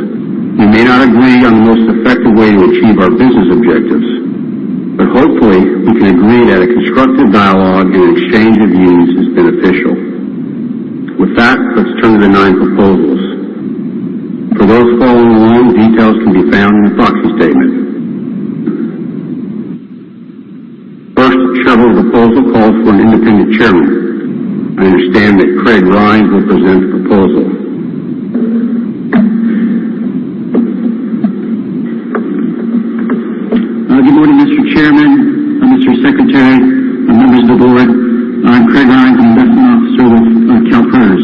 Speaker 1: We may not agree on the most effective way to achieve our business objectives, but hopefully, we can agree that a constructive dialogue and exchange of views is beneficial. With that, let's turn to the 9 proposals. For those following along, details can be found in the proxy statement. First shareholder proposal calls for an independent chairman. I understand that Craig Rhines will present the proposal.
Speaker 5: Good morning, Mr. Chairman. Secretary and members of the board, I'm Craig Rhine, investment officer with CalPERS.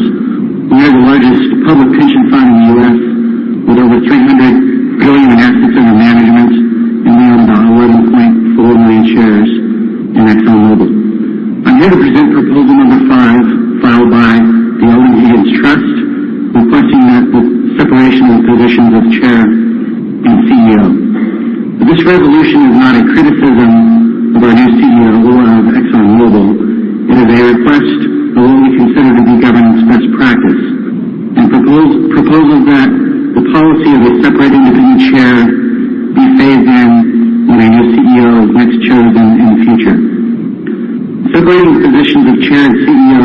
Speaker 5: We are the largest public pension fund in the U.S. with over $300 billion in assets under management, and we own about $11.4 million shares in ExxonMobil. I'm here to present proposal number five filed by the Only [Hills] Trust, requesting that the separation of positions of chair and CEO. This resolution is not a criticism of our new CEO or of ExxonMobil. It is a request of only considered to be governance best practice, and proposals that the policy of a separate independent chair be phased in when a new CEO is next chosen in the future. Separating the positions of chair and CEO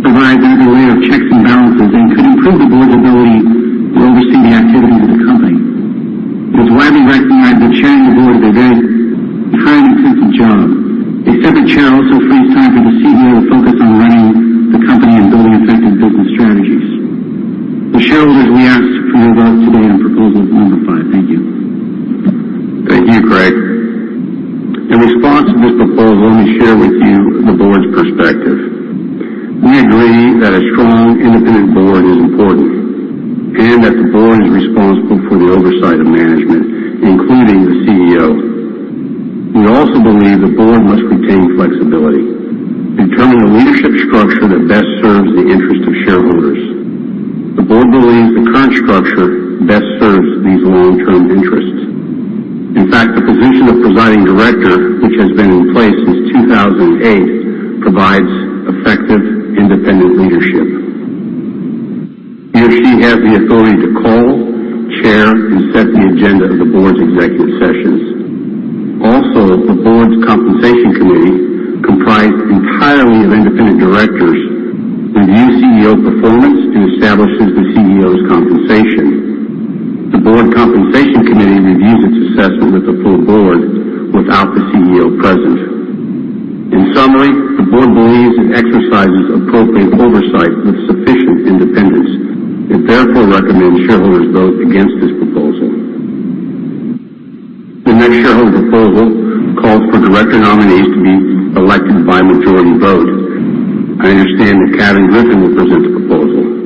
Speaker 5: provides another layer of checks and balances and could improve the board's ability to oversee the activities of the company. It's widely recognized that chairing the board is a time-intensive job. A separate chair also frees time for the CEO to focus on running the company and building effective business strategies. The shareholders we ask for your vote today on proposal number five. Thank you.
Speaker 1: Thank you, Craig. In response to this proposal, let me share with you the board's perspective. We agree that a strong independent board is important and that the board is responsible for the oversight of management, including the CEO. We also believe the board must retain flexibility in determining a leadership structure that best serves the interest of shareholders. The board believes the current structure best serves these long-term interests. In fact, the position of presiding director, which has been in place since 2008, provides effective independent leadership. He or she has the authority to call, chair, and set the agenda of the board's executive sessions. Also, the board's Compensation Committee, comprised entirely of independent directors, reviews CEO performance and establishes the CEO's compensation. The board Compensation Committee reviews its assessment with the full board without the CEO present. In summary, the board believes it exercises appropriate oversight with sufficient independence. It therefore recommends shareholders vote against this proposal. The next shareholder proposal calls for director nominees to be elected by majority vote. I understand that Calvin Griffin will present the proposal.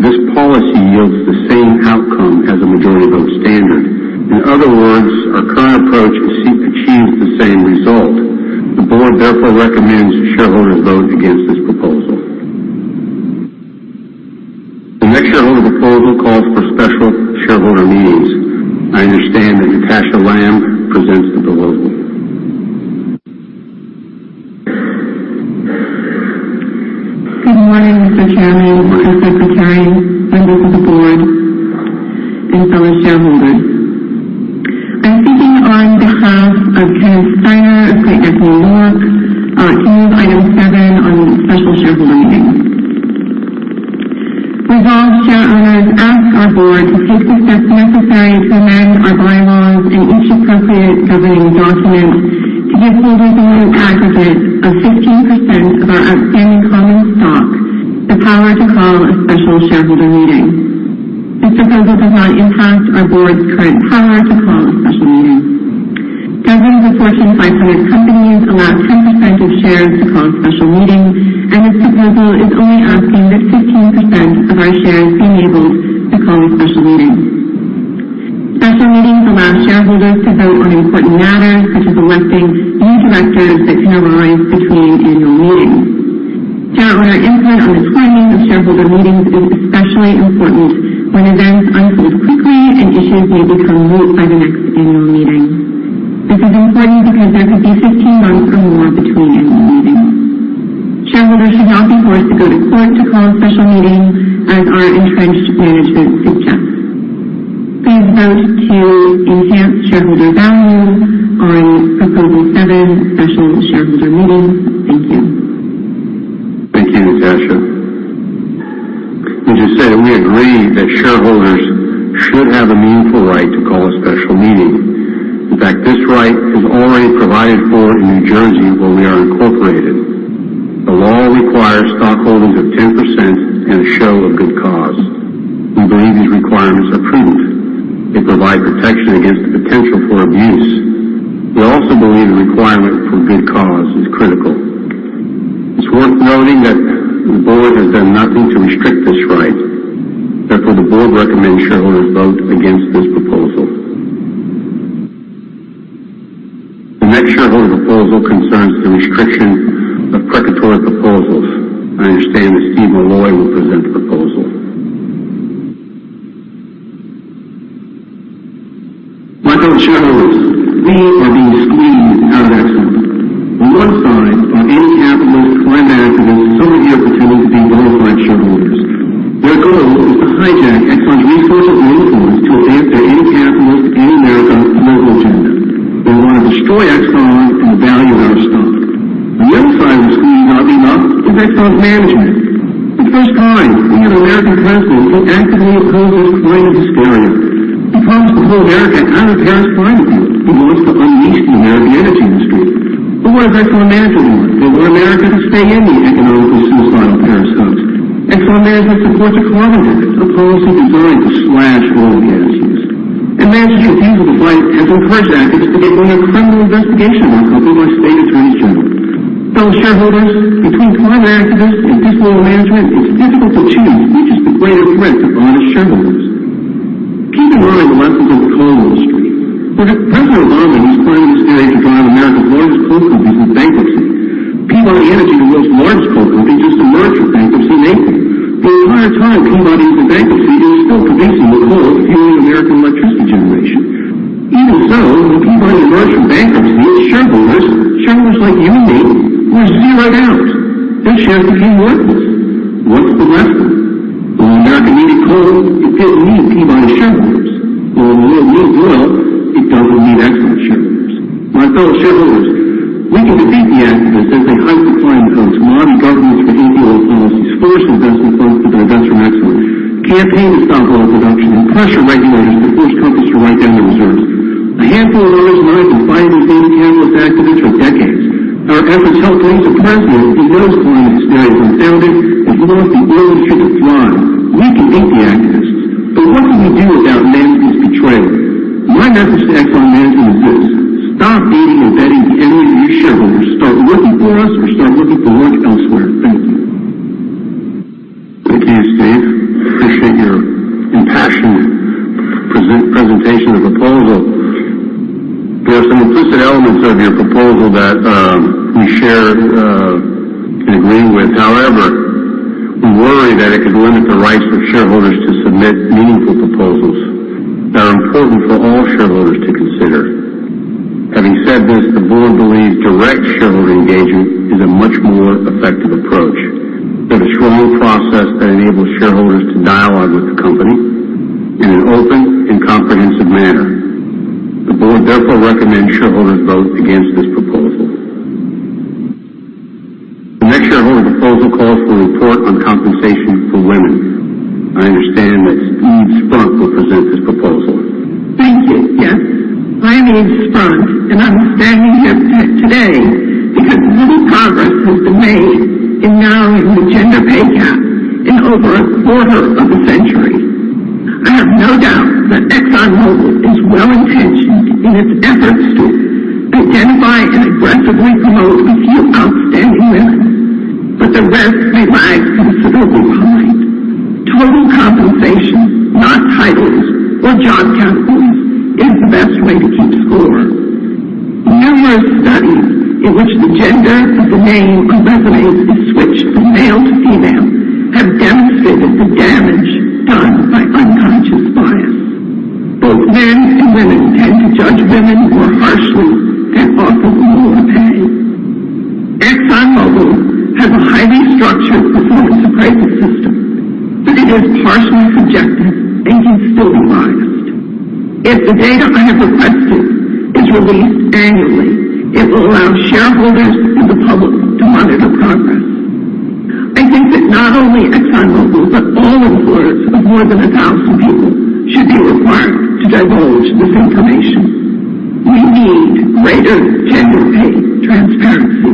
Speaker 1: this policy yields the same outcome as a majority vote standard. In other words, our current approach achieves the same result. The board therefore recommends shareholders vote against this proposal. The next shareholder proposal calls for special shareholder meetings. I understand that Natasha Lamb presents the proposal.
Speaker 6: Good morning, Mr. Chairman.
Speaker 1: Good morning.
Speaker 6: Mr. Secretary, members of the board, and fellow shareholders. I'm speaking on behalf of Kenneth Steiner of Great Neck, New York. He's item seven on special shareholder meetings. Resolves share owners ask our board to take such steps necessary to amend our bylaws and each appropriate governing document to give holders in the aggregate of 15% of our outstanding common stock the power to call a special shareholder meeting. This proposal does not impact our board's current power to call a special meeting. Dozens of Fortune 500 companies allow 10% of shares to call special meetings. This proposal is only asking that 15% of our shares be able to call a special meeting. Special meetings allow shareholders to vote on important matters, such as electing new directors that can otherwise between annual meetings. Shareholder input on the timing of shareholder meetings is especially important when events unfold quickly and issues may become moot by the next annual meeting. This is important because there could be 15 months or more between annual meetings. Shareholders should not be forced to go to court to call a special meeting as our entrenched management suggests. Please vote to enhance shareholder value on Proposal 7, special shareholder meeting. Thank you.
Speaker 1: Thank you, Natasha. As you said, we agree that shareholders should have a meaningful right to call a special meeting. In fact, this right is already provided for in New Jersey, where we are incorporated. The law requires stock holdings of 10% and a show of good cause. We believe these requirements are prudent. They provide protection against the potential for abuse. We also believe the requirement for good cause is critical. It's worth noting that the board has done nothing to restrict this right. Therefore, the board recommends shareholders vote against this proposal. The next shareholder proposal concerns the restriction of precatory proposals. I understand that Steve Milloy will present the proposal.
Speaker 7: My fellow shareholders, we are being squeezed at Exxon. On one side are anti-capitalist climate activists, some of whom are pretending to be bona fide shareholders. Their goal is to hijack Exxon's resources and influence to advance their anti-capitalist, anti-America political agenda. They want to destroy Exxon and the value of our stock. On the other side of the squeeze, oddly enough, is Exxon management. For the first time, we have an American president who actively opposes climate hysteria. He promised to put America on a Paris Agreement. He wants to unleash the American energy industry. What has Exxon management done? They want America to stay in the economical suicidal Paris Agreement. Exxon management supports a carbon tax, a policy designed to slash oil and gas use. Management deals with [inaudible] who are doing a criminal investigation on a couple of our state attorneys general. Fellow shareholders, between climate activists and dismal management, it's difficult to choose which is the greater threat to honest shareholders. Keep in mind the lessons of coal industry. President Obama used climate hysteria to drive America's coal companies into bankruptcy. Peabody Energy, the world's largest coal company, just emerged from bankruptcy in April. The entire time Peabody was in bankruptcy, it was still producing the coal fueling American electricity generation. Even so, when Peabody emerged from bankruptcy, its shareholders like you and me, were zeroed out. Their shares became worthless. What's the lesson? Well, American-made coal didn't need Peabody shareholders. Oil and real world oil, it doesn't need Exxon shareholders. My fellow shareholders, we can defeat the activists as they hype the climate hoax, lobby governments for anti-U.S. policies, force investment funds to divest from Exxon, campaign to stop oil production, and pressure regulators to force companies to write down their reserves. A handful of oil's largest and finest anti-capitalists activists for decades. Our efforts helped elect a president who knows climate hysteria is unfounded and who wants the oil industry to thrive. We can beat the activists. What do we do about management's betrayal? My message to Exxon management is this: stop aiding and abetting the enemy of your shareholders. Start working for us or start looking for work elsewhere. Thank you.
Speaker 1: Thank you, Steve. Appreciate your impassioned presentation of the proposal. There are some interesting elements of your proposal that we share and agree with. However, we worry that it could limit the rights of shareholders to submit meaningful proposals that are important for all shareholders to consider. Having said this, the board believes direct shareholder engagement is a much more effective approach. We have a strong process that enables shareholders to dialogue with the company in an open and comprehensive manner. The board therefore recommends shareholders vote against this proposal. The next shareholder proposal calls for a report on compensation for women. I understand that Eve Spunt will present this proposal.
Speaker 8: Thank you, yes. My name is Spunt, and I'm standing here today because little progress has been made in narrowing the gender pay gap in over a quarter of a century. I have no doubt that Exxon Mobil is well-intentioned in its efforts to identify and aggressively promote a few outstanding women, but the rest lag considerably behind. Total compensation, not titles or job categories, is the best way to keep score. Numerous studies in which the gender of the name on resumes is switched from male to female have demonstrated the damage done by unconscious bias. Both men and women tend to judge women more harshly and offer them lower pay. Exxon Mobil has a highly structured performance appraisal system, but it is partially subjective and can still be biased. If the data I have requested is released annually, it will allow shareholders and the public to monitor progress. I think that not only ExxonMobil, but all employers of more than 1,000 people should be required to divulge this information. We need greater gender pay transparency.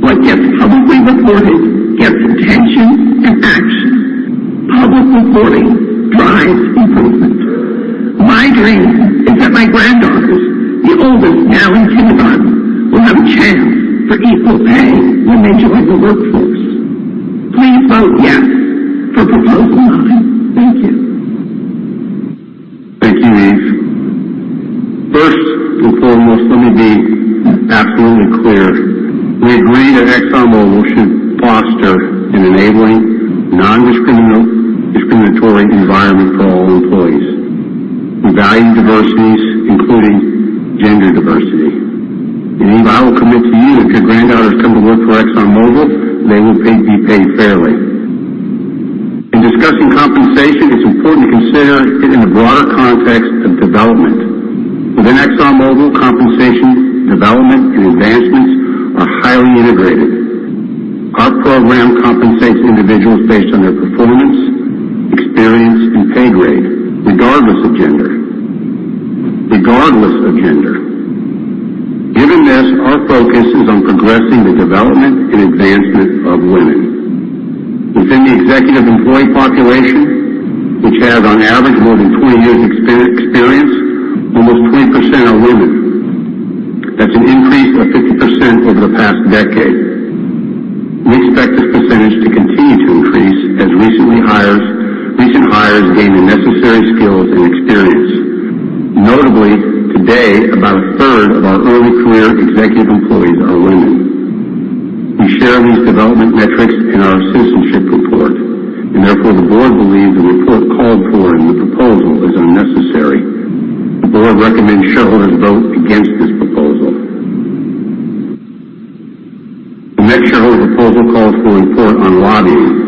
Speaker 8: What gets publicly reported gets attention and action. Public reporting drives improvement. My dream is that my granddaughters, the oldest now in kindergarten, will have a chance for equal pay when they join the workforce. Please vote yes for proposal nine. Thank you.
Speaker 1: Thank you, Eve. First and foremost, let me be absolutely clear. We agree that ExxonMobil should foster an enabling, non-discriminatory environment for all employees. We value diversities, including gender diversity. Eve, I will commit to you if your granddaughters come to work for ExxonMobil, they will be paid fairly. In discussing compensation, it's important to consider it in the broader context of development. Within ExxonMobil, compensation, development, and advancements are highly integrated. Our program compensates individuals based on their performance, experience, and pay grade, regardless of gender. Regardless of gender. Given this, our focus is on progressing the development and advancement of women. Within the executive employee population, which has on average more than 20 years experience, almost 20% are women. That's an increase of 50% over the past decade. We expect this percentage to continue to increase as recent hires gain the necessary skills and experience. Notably, today, about a third of our early career executive employees are women. We share these development metrics in our citizenship report, and therefore, the board believes a report called for in the proposal is unnecessary. The board recommends shareholders vote against this proposal. The next shareholder proposal calls for a report on lobbying.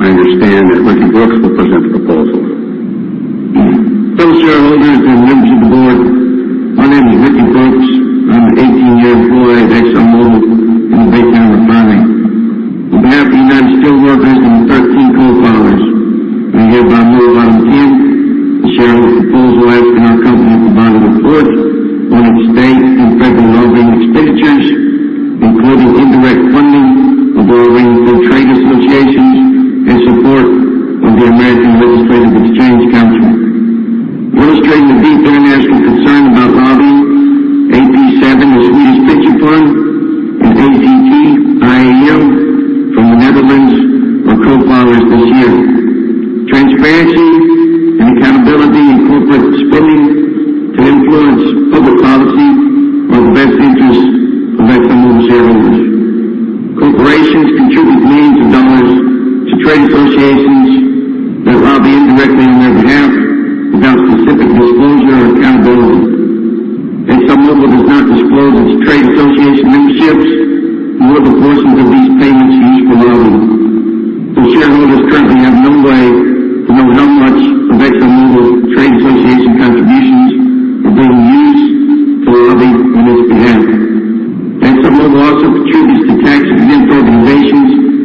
Speaker 1: I understand that Ricky Brooks will present the proposal.
Speaker 9: Fellow shareholders and members of the board, my name is Ricky Brooks. I'm an 18-year employee at ExxonMobil in the Baytown refinery. On behalf of the United Steelworkers and the 13 co-filers, I'm here to talk more about our team, the shareholder proposal asking our company to provide a report on its state and federal lobbying expenditures, including indirect funding of lobbying through trade associations and support of the American Legislative Exchange Council. Illustrating the deep international concern about lobbying, AP7, a Swedish pension fund, and APG Asset Management from the Netherlands, are co-filers this year. Transparency and accountability in corporate spending to influence public policy are the best interests of ExxonMobil shareholders. Corporations contribute millions of dollars to trade associations that lobby indirectly on their behalf without specific disclosure or accountability. ExxonMobil does not disclose its trade association memberships nor the portions of these payments used for lobbying. Shareholders currently have no way to know how much of ExxonMobil's trade association contributions are being used for lobbying on its behalf. ExxonMobil also contributes to tax and think organizations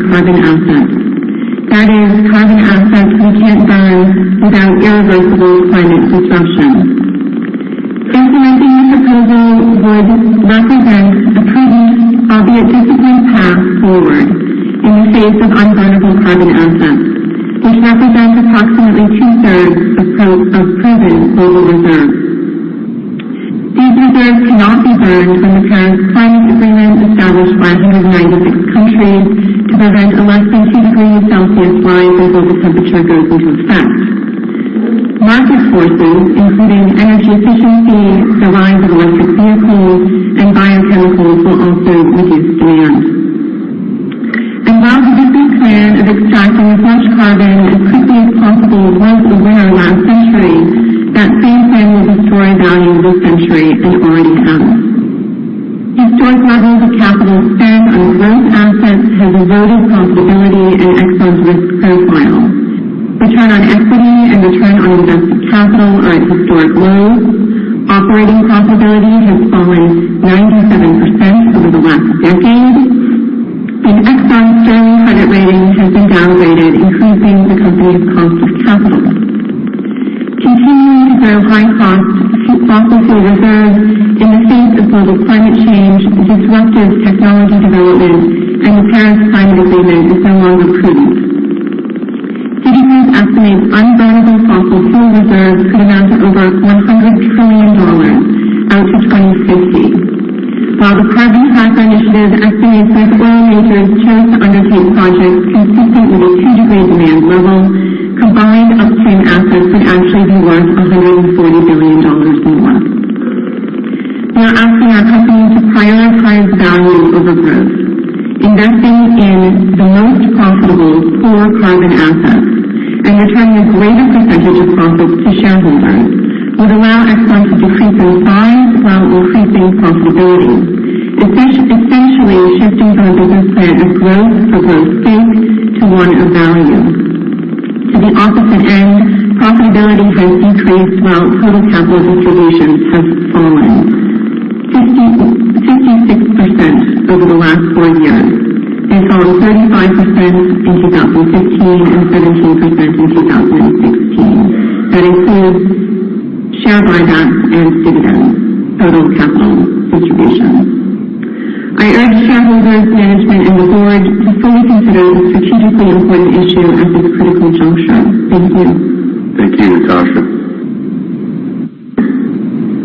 Speaker 6: carbon assets. That is, carbon assets we can't burn without irreversible climate destruction. Implementing this proposal would represent a prudent, albeit difficult, path forward in the face of unburnable carbon assets, which represent approximately two-thirds of proven global reserves. These reserves cannot be burned under the Paris Agreement established by 196 countries to prevent a less than two degrees Celsius rise over the temperature growth we've observed. Market forces, including energy efficiency, the rise of electric vehicles, and biochemicals, will also reduce demand. While it is clear that extracting as much carbon as quickly as possible was the winner last century, that same thing will destroy value this century and already has. Historic levels of capital spent on growth assets has eroded profitability and Exxon's risk profile. Return on equity and return on invested capital are at historic lows. Operating profitability has fallen 97% over the last decade, and Exxon's sterling credit rating has been downgraded, increasing the company's cost of capital. Continuing to grow high-cost fossil fuel reserves in the face of global climate change, disruptive technology development, and the Paris Agreement is no longer prudent. CDP estimates unburnable fossil fuel reserves could amount to over $100 trillion out to 2050. While the Carbon Tracker Initiative estimates if oil majors chose to undertake projects consistent with a two-degree demand level, combined upstream assets could actually be worth $140 billion more. We are asking our company to prioritize value over growth. Investing in the most profitable core carbon assets and returning a greater percentage of profits to shareholders would allow Exxon to decrease in size while increasing profitability, essentially shifting their business plan of growth for growth's sake to one of value. To the opposite end, profitability has increased while total capital distributions have fallen 56% over the last four years and fallen 35% since 2015 and 17% since 2016. That includes share buybacks and dividends, total capital distributions. I urge shareholders, management, and the board to fully consider this strategically important issue at this critical juncture. Thank you.
Speaker 1: Thank you, Natasha.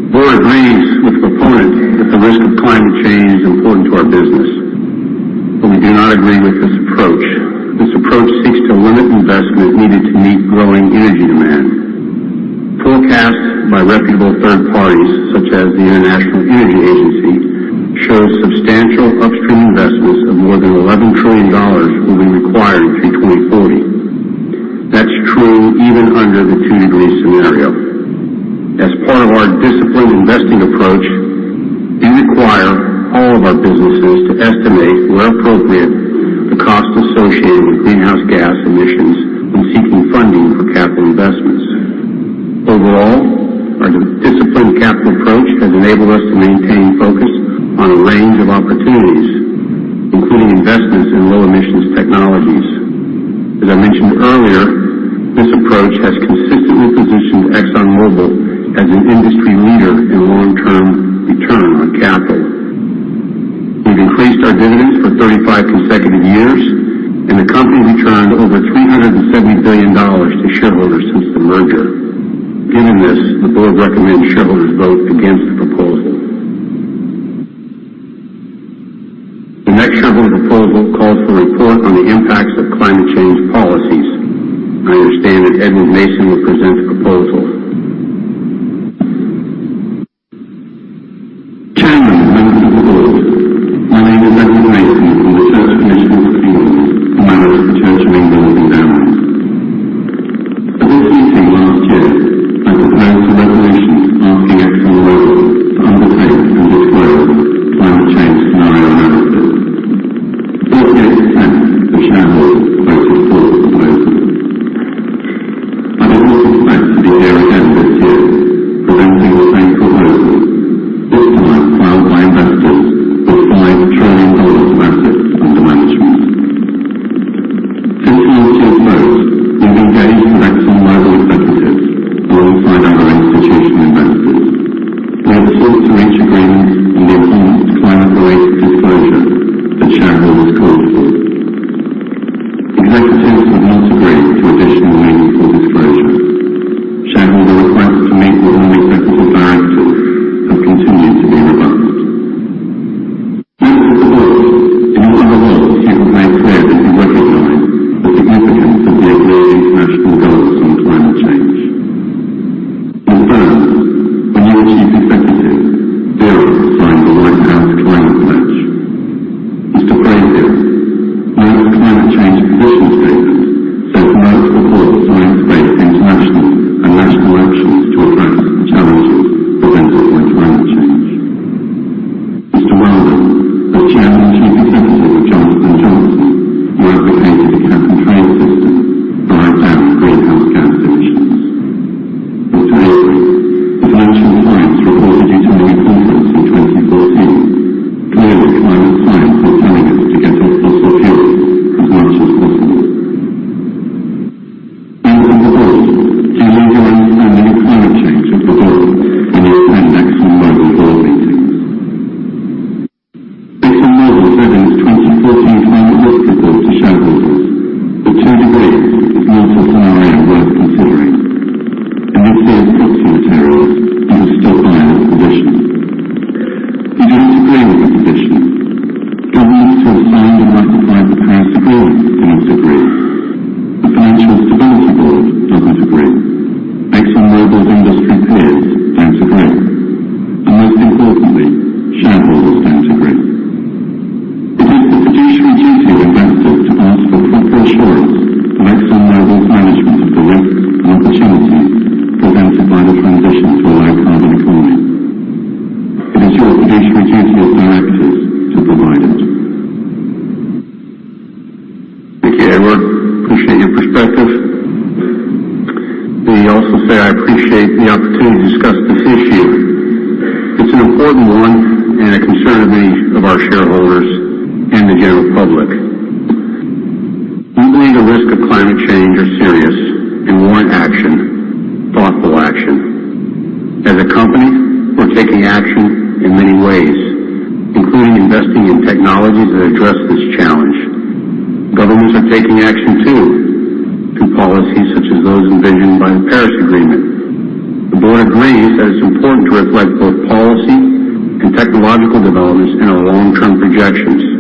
Speaker 1: The board agrees with proponents that the risk of climate change is important to our business, but we do not agree with this approach. This approach seeks to limit investment needed to meet growing energy demand. Forecasts by reputable third parties, such as the International Energy Agency, show substantial upstream investments of more than $11 trillion will be required through 2040. That's true even under the two-degree scenario. As part of our disciplined investing approach, we require all of our businesses to estimate, where appropriate, the cost associated with greenhouse gas emissions when seeking funding for capital investments. Overall, our disciplined capital approach has enabled us to maintain focus on a range of opportunities, including investments in low-emissions technologies. As I mentioned earlier, this approach has consistently positioned ExxonMobil as an industry leader in long-term return on capital. We've increased our dividends for 35 consecutive years, and the company returned over $370 billion to shareholders since the merger. Given this, the board recommends shareholders vote against the proposal. Edward. Appreciate your perspective. Let me also say I appreciate the opportunity to discuss this issue. It's an important one and a concern of many of our shareholders and the general public. We believe the risks of climate change are serious and warrant action, thoughtful action. As a company, we're taking action in many ways, including investing in technologies that address this challenge. Governments are taking action, too, through policies such as those envisioned by the Paris Agreement. The board agrees that it's important to reflect both policy and technological developments in our long-term projections.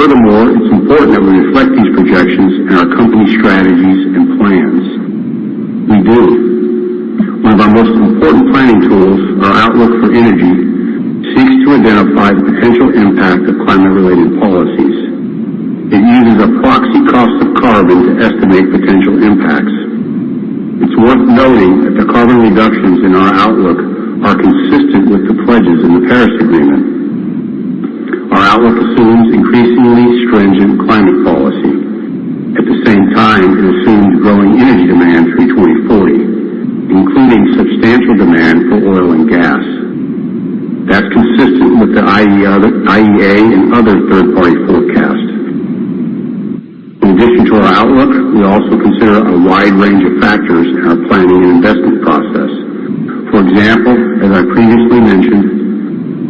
Speaker 1: Furthermore, it's important that we reflect these projections in our company strategies and plans. We do. One of our most important planning tools, our outlook for energy, seeks to identify the potential impact of climate-related policies. It uses a proxy cost of carbon to estimate potential impacts. It's worth noting that the carbon reductions in our outlook are consistent with the pledges in the Paris Agreement. Our outlook assumes increasingly stringent climate policy. At the same time, it assumes growing energy demand through 2040, including substantial demand for oil and gas. That's consistent with the IEA and other third-party forecasts. In addition to our outlook, we also consider a wide range of factors in our planning and investment process. For example, as I previously mentioned,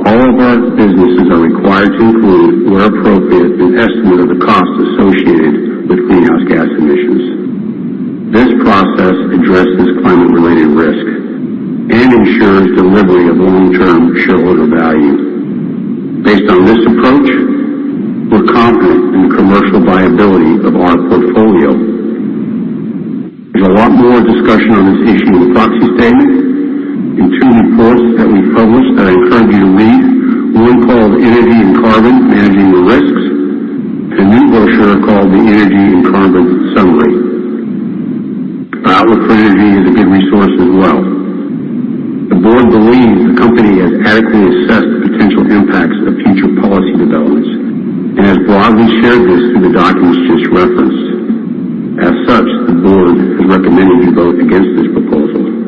Speaker 1: all of our businesses are required to include, where appropriate, an estimate of the cost associated with greenhouse gas emissions. This process addresses climate-related risk and ensures delivery of long-term shareholder value. Based on this approach, we're confident in the commercial viability of our portfolio. There's a lot more discussion on this issue in the proxy statement, in two reports that we published that I encourage you to read, one called Energy and Carbon: Managing the Risks, and a new brochure called the Energy and Carbon Summary. Our outlook for energy is a good resource as well. The board believes the company has adequately assessed the potential impacts of future policy developments and has broadly shared this through the documents just referenced. As such, the board is recommending you vote against this proposal.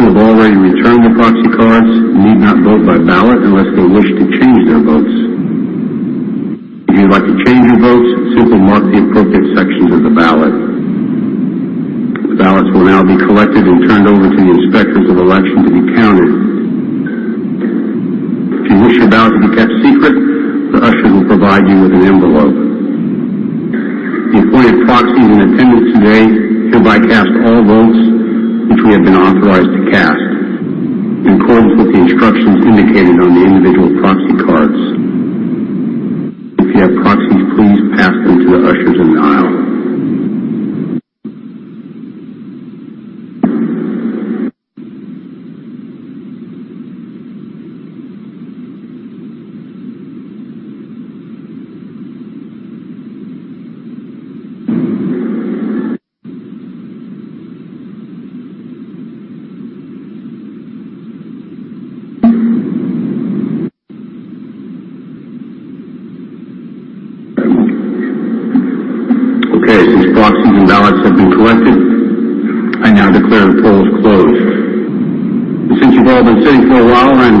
Speaker 1: who have already returned their proxy cards need not vote by ballot unless they wish to change their votes. If you would like to change your votes, simply mark the appropriate sections of the ballot. The ballots will now be collected and turned over to the inspectors of election to be counted. If you wish your ballot to be kept secret, the usher will provide you with an envelope. The appointed proxies in attendance today hereby cast all votes which we have been authorized to cast in accordance with the instructions indicated on the individual proxy cards. If you have proxies, please pass them to the ushers in the aisle.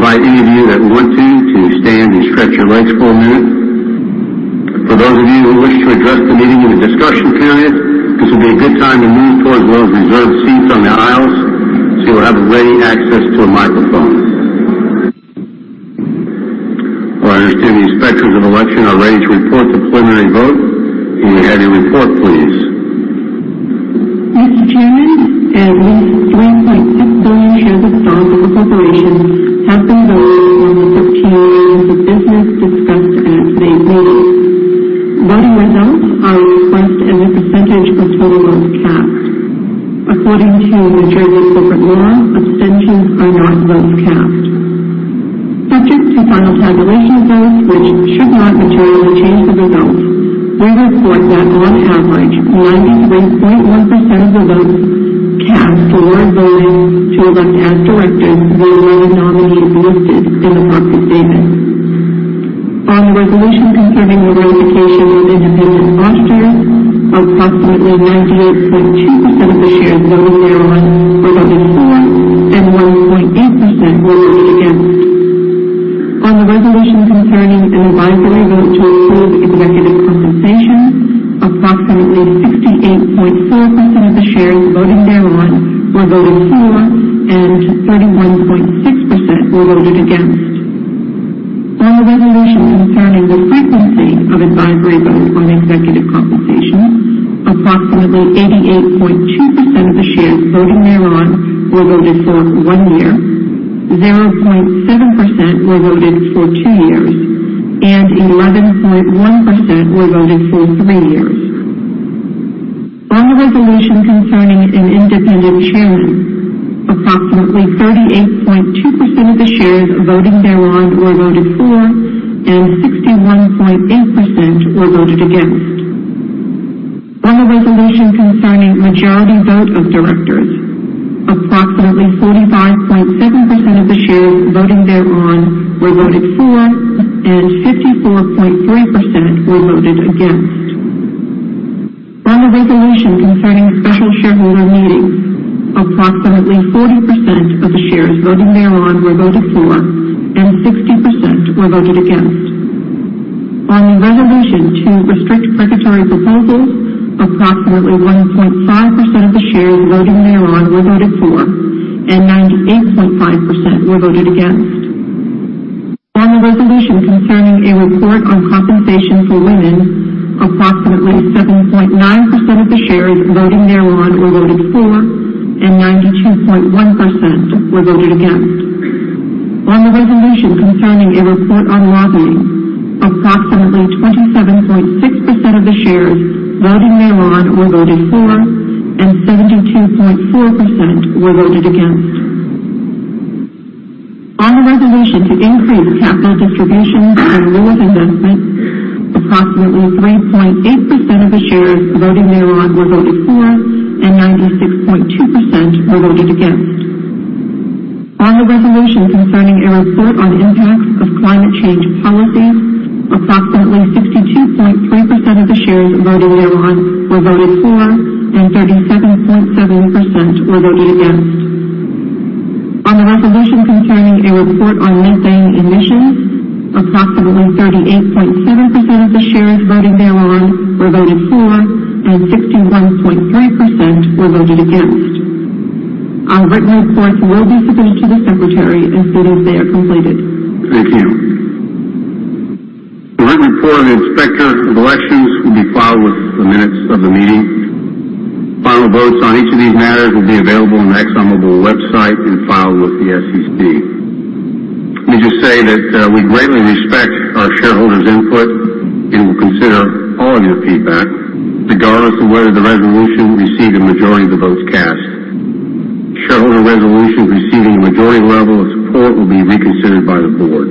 Speaker 1: Okay, since proxies and ballots have been collected, I now declare the polls closed. Since you've all been sitting for a while, I invite any of you that want to stand and stretch your legs for a minute. For those of you who wish to address the meeting in the discussion period, this will be a good time to move towards one of the reserved seats on the aisles so you'll have ready access to a microphone. Well, I understand the inspectors of election are ready to report the preliminary vote. Can we have your report, please?
Speaker 10: Mr. Chairman, at least 3.6 million shares of stock of the corporation have been voted on the 15 items of business discussed at today's meeting. Voting results are expressed as a percentage of total votes cast. According to New Jersey corporate law, abstentions are not votes cast. Subject to final tabulation votes, which should not materially change the results, we report that on average, 93.1% of the votes cast were voting to elect as directors the 11 nominees listed in the proxy statement. On the resolution concerning the ratification of individual officers, approximately 98.2% of the shares voting thereon were voted for, and 1.8% were voted against. On the resolution concerning an advisory vote to approve executive compensation, approximately 68.4% of the shares voting thereon were voted for, and 31.6% were voted against. On the resolution concerning the frequency of advisory votes on executive compensation, approximately 88.2% of the shares voting thereon were voted for one year, 0.7% were voted for two years, and 11.1% were voted for three years. On the resolution concerning an independent chairman, approximately 38.2% of the shares voting thereon were voted for, and 61.8% were voted against. On the resolution concerning majority vote of directors, approximately 45.7% of the shares voting thereon were voted for, and 54.3% were voted against. On the resolution concerning special shareholder meetings, approximately 40% of the shares voting thereon were voted for, and 60% were voted against. On the resolution to restrict precatory proposals, approximately 1.5% of the shares voting thereon were voted for, and 98.5% were voted against. On the resolution concerning a report on compensation for women, approximately 7.9% of the shares voting thereon were voted for, and 92.1% were voted against. On the resolution concerning a report on lobbying, approximately 27.6% of the shares voting thereon were voted for, and 72.4% were voted against. On the resolution to increase capital distributions and reduce investments, approximately 3.8% of the shares voting thereon were voted for, and 96.2% were voted against. On the resolution concerning a report on impacts of climate change policies, approximately 62.3% of the shares voting thereon were voted for, and 37.7% were voted against. On the resolution concerning a report on methane emissions, approximately 38.7% of the shares voting thereon were voted for, and 61.3% were voted against. Our written reports will be submitted to the secretary as soon as they are completed.
Speaker 1: Thank you. The written report of the inspector of elections will be filed with the minutes of the meeting. Final votes on each of these matters will be available on the ExxonMobil website and filed with the SEC. Let me just say that we greatly respect our shareholders' input and will consider all of your feedback regardless of whether the resolution received a majority of the votes cast. Shareholder resolutions receiving a majority level of support will be reconsidered by the board.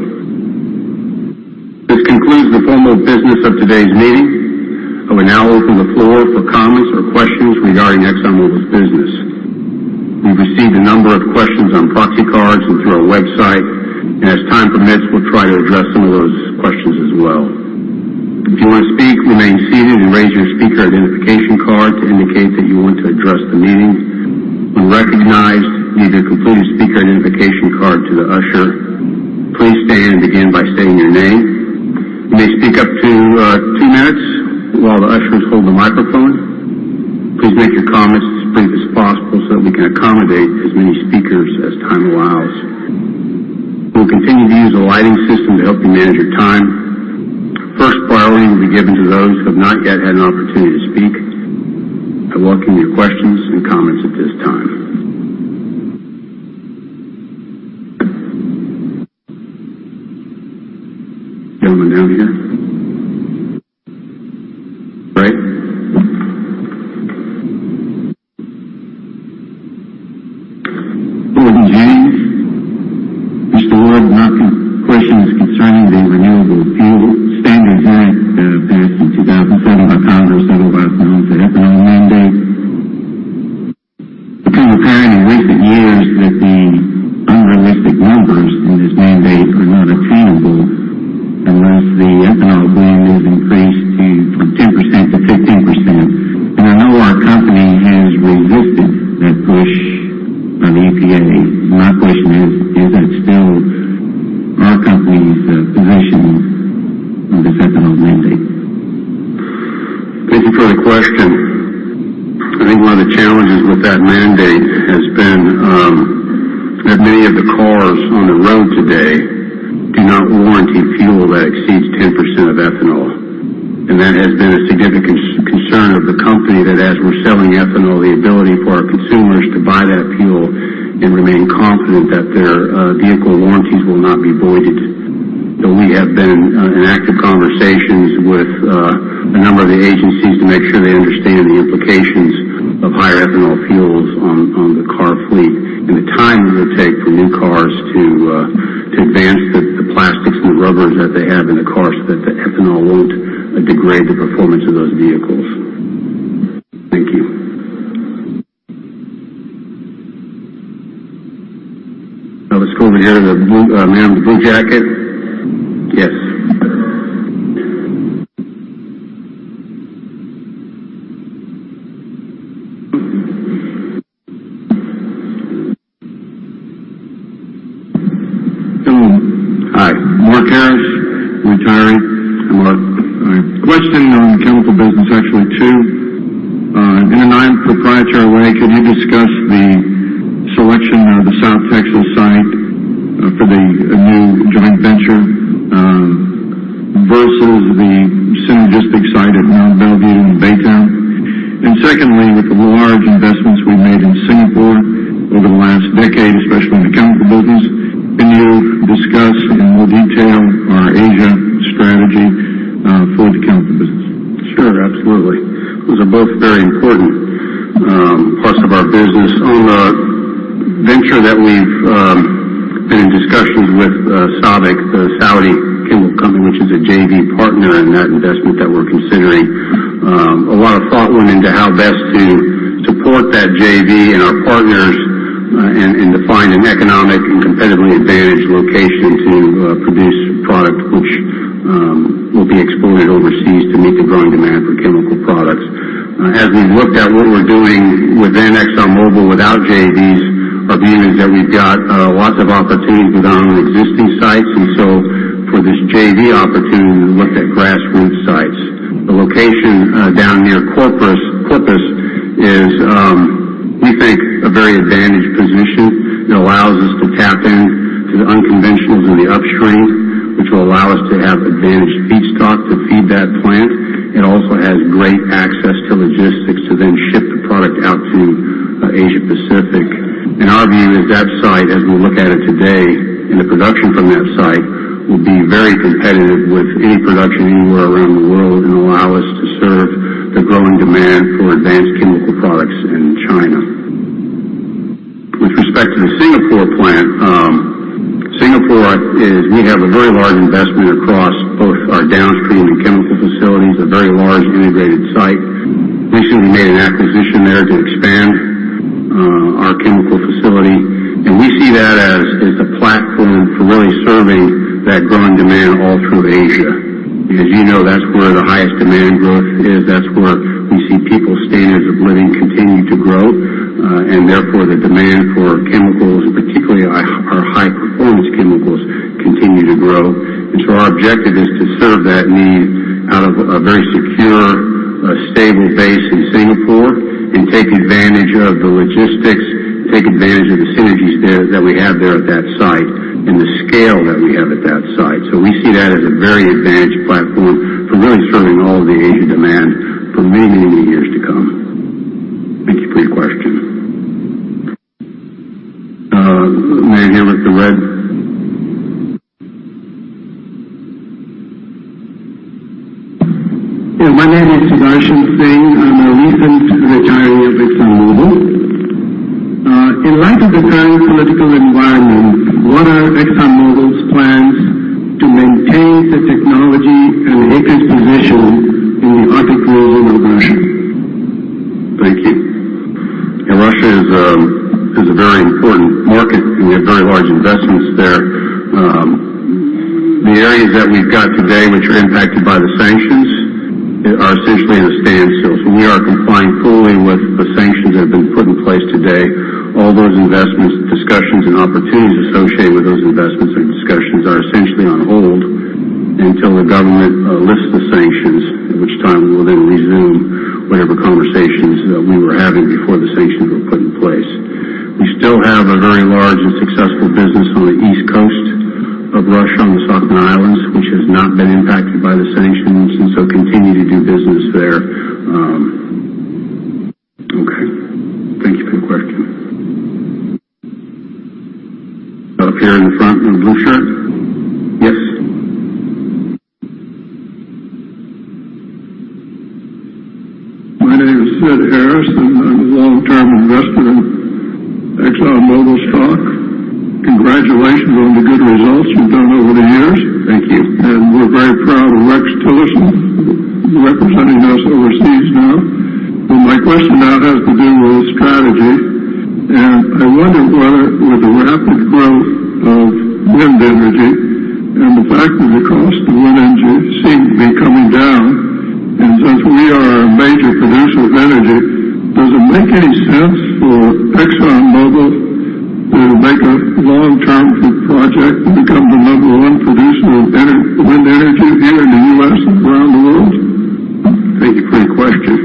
Speaker 1: This concludes the formal business of today's meeting. I will now open the floor for comments or questions regarding ExxonMobil's business. We've received a number of questions on proxy cards and through our website, and as time permits, we'll try to address some of those questions as well. If you want to speak, remain seated and raise your speaker identification card to indicate that you want to address the meeting. When recognized, give your completed speaker identification card to the usher. Please stand and begin by stating your name. You may speak up to two minutes while the ushers hold the microphone. Please make your comments as brief as possible so that we can accommodate as many speakers as time allows. We will continue to use a lighting system to help you manage your time. First priority will be given to those who have not yet had an opportunity to speak. I welcome your questions and comments at this time. Gentleman down here. Right.
Speaker 11: Good morning, James. Mr. Woods, my question is concerning the Renewable Fuel Standard Act passed in 2007 by Congress, otherwise known as the ethanol mandate. It has become apparent in recent years that the unrealistic numbers in this mandate are not attainable unless the ethanol blend is increased from 10% to 15%. I know our company has resisted that push by the EPA. My question is that still our company's position on this ethanol mandate?
Speaker 1: Thank you for the question. I think one of the challenges with that mandate has been that many of the cars on the road today do not warranty fuel that exceeds 10% of ethanol. That has been a significant concern of the company that as we are selling ethanol, the ability for our consumers to buy that fuel and remain confident that their vehicle warranties will not be voided. We have been in active conversations with a number of the agencies to make sure they understand the implications of higher ethanol fuels on the car fleet, and the time that it would take for new cars to advance the plastics and the rubbers that they have in the car so that the ethanol will not degrade the performance of those vehicles. Thank you. Now let us go over here to the man in the blue jacket.
Speaker 12: Yes. Hello. Hi. Mark Harris, retiree.
Speaker 1: Hello.
Speaker 12: All right. Question on the chemical business, actually two. In a non-proprietary way, could you discuss the selection of the South Texas site for the new joint venture versus the synergistic site at Mont Belvieu in Baytown? Secondly, with the large investments we've made in Singapore over the last decade, especially in the chemical business, can you discuss in more detail our Asia strategy for the chemical business?
Speaker 1: Sure, absolutely. Those are both very important parts of our business. On the venture that we've been in discussions with SABIC, the Saudi chemical company, which is a JV partner in that investment that we're considering. A lot of thought went into how best to support that JV and our partners in defining economic and competitively advantaged location to produce product which will be exported overseas to meet the growing demand for chemical products. As we've looked at what we're doing within ExxonMobil without JVs, our view is that we've got lots of opportunities with our own existing sites, for this JV opportunity, we looked at grassroots sites. The location down near Corpus is, we think, a very advantaged position that allows us to tap into the unconventionals in the upstream, which will allow us to have advantaged feedstock to feed that plant. It also has great access to logistics to then ship the product out to Asia Pacific. Our view is that site, as we look at it today, and the production from that site will be very competitive with any production anywhere around the world and allow us to serve the growing demand for advanced chemical products in China. With respect to the Singapore plant, we have a very large investment across both our downstream and chemical facilities, a very large integrated site. Recently made an acquisition there to expand our chemical facility, and we see that as a platform for really serving that growing demand all through Asia. You know that's where the highest demand growth is. That's where we see people's standards of living continue to grow, and therefore the demand for chemicals, and particularly our high-performance chemicals, continue to grow. Our objective is to serve that need out of a very secure, stable base in Singapore and take advantage of the logistics, take advantage of the synergies that we have there at that site, and the scale that we have at that site. We see that as a very advantaged platform for really serving all the Asian demand for many, many years to come. Thank you for your question. The man here with the red.
Speaker 13: My name is Sudarshan Singh. I'm a recent retiree of ExxonMobil. In light of the current political environment, what are ExxonMobil's plans to maintain the technology and acres position in the Arctic region of Russia? Thank you.
Speaker 1: Russia is a very important market, and we have very large investments there. The areas that we've got today which are impacted by the sanctions are essentially at a standstill. We are complying fully with the sanctions that have been put in place today. All those investments, discussions, and opportunities associated with those investments and discussions are essentially on hold until the government lifts the sanctions, at which time we'll then resume whatever conversations that we were having before the sanctions were put in place. We still have a very large and successful business on the East Coast of Russia on the Sakhalin Island, which has not been impacted by the sanctions, and so continue to do business there. Okay. Thank you for your question. Up here in the front in the blue shirt. Yes. My name is Sid Harris, and I'm a long-term investor in ExxonMobil stock. Congratulations on the good results you've done over the years. Thank you. We're very proud of Rex Tillerson representing us overseas now. My question now has to do with strategy. I wonder whether with the rapid growth of wind energy and the fact that the cost of wind energy seems to be coming down, since we are a major producer of energy. Would it make any sense for ExxonMobil to make a long-term project to become the number one producer of wind energy here in the U.S. and around the world? Thank you for the question.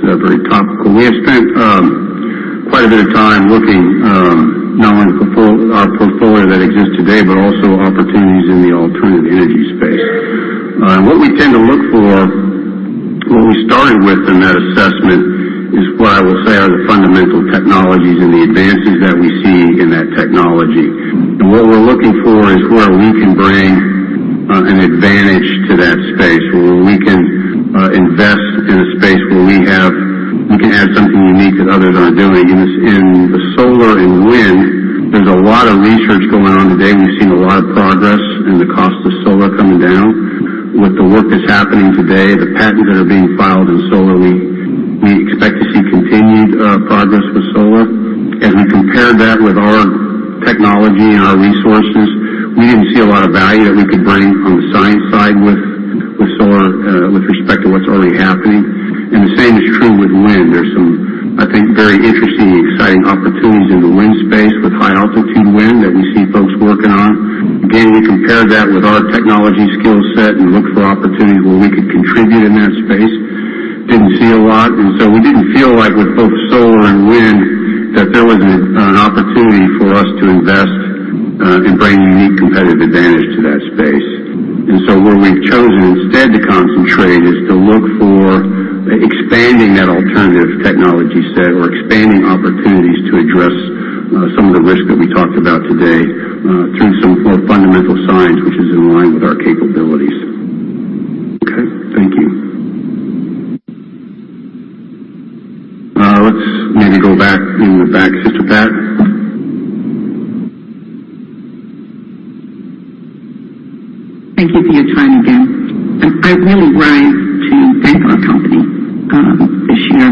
Speaker 1: It's very topical. We have spent quite a bit of time looking not only at our portfolio that exists today, but also opportunities in the alternative energy space. What we tend to look for, what we started with in that assessment is what I will say are the fundamental technologies and the advances that we see in that technology. What we're looking for is where we can bring an advantage to that space, where we can invest in a space where we can add something unique that others aren't doing. In the solar and wind, there's a lot of research going on today, and we've seen a lot of progress in the cost of solar coming down. With the work that's happening today, the patents that are being filed in solar, we expect to see continued progress with solar. As we compared that with our technology and our resources, we didn't see a lot of value that we could bring on the science side with solar with respect to what's already happening. The same is true with wind. There's some, I think, very interesting and exciting opportunities in the wind space with high altitude wind that we see folks working on. Again, we compared that with our technology skill set and looked for opportunities where we could contribute in that space. Didn't see a lot, and so we didn't feel like with both solar and wind that there was an opportunity for us to invest and bring unique competitive advantage to that space. Where we've chosen instead to concentrate is to look for expanding that alternative technology set or expanding opportunities to address some of the risk that we talked about today through some more fundamental science, which is in line with our capabilities. Okay. Thank you. Let's maybe go back in the back, Sister Pat.
Speaker 14: Thank you for your time again. I really rise to thank our company this year.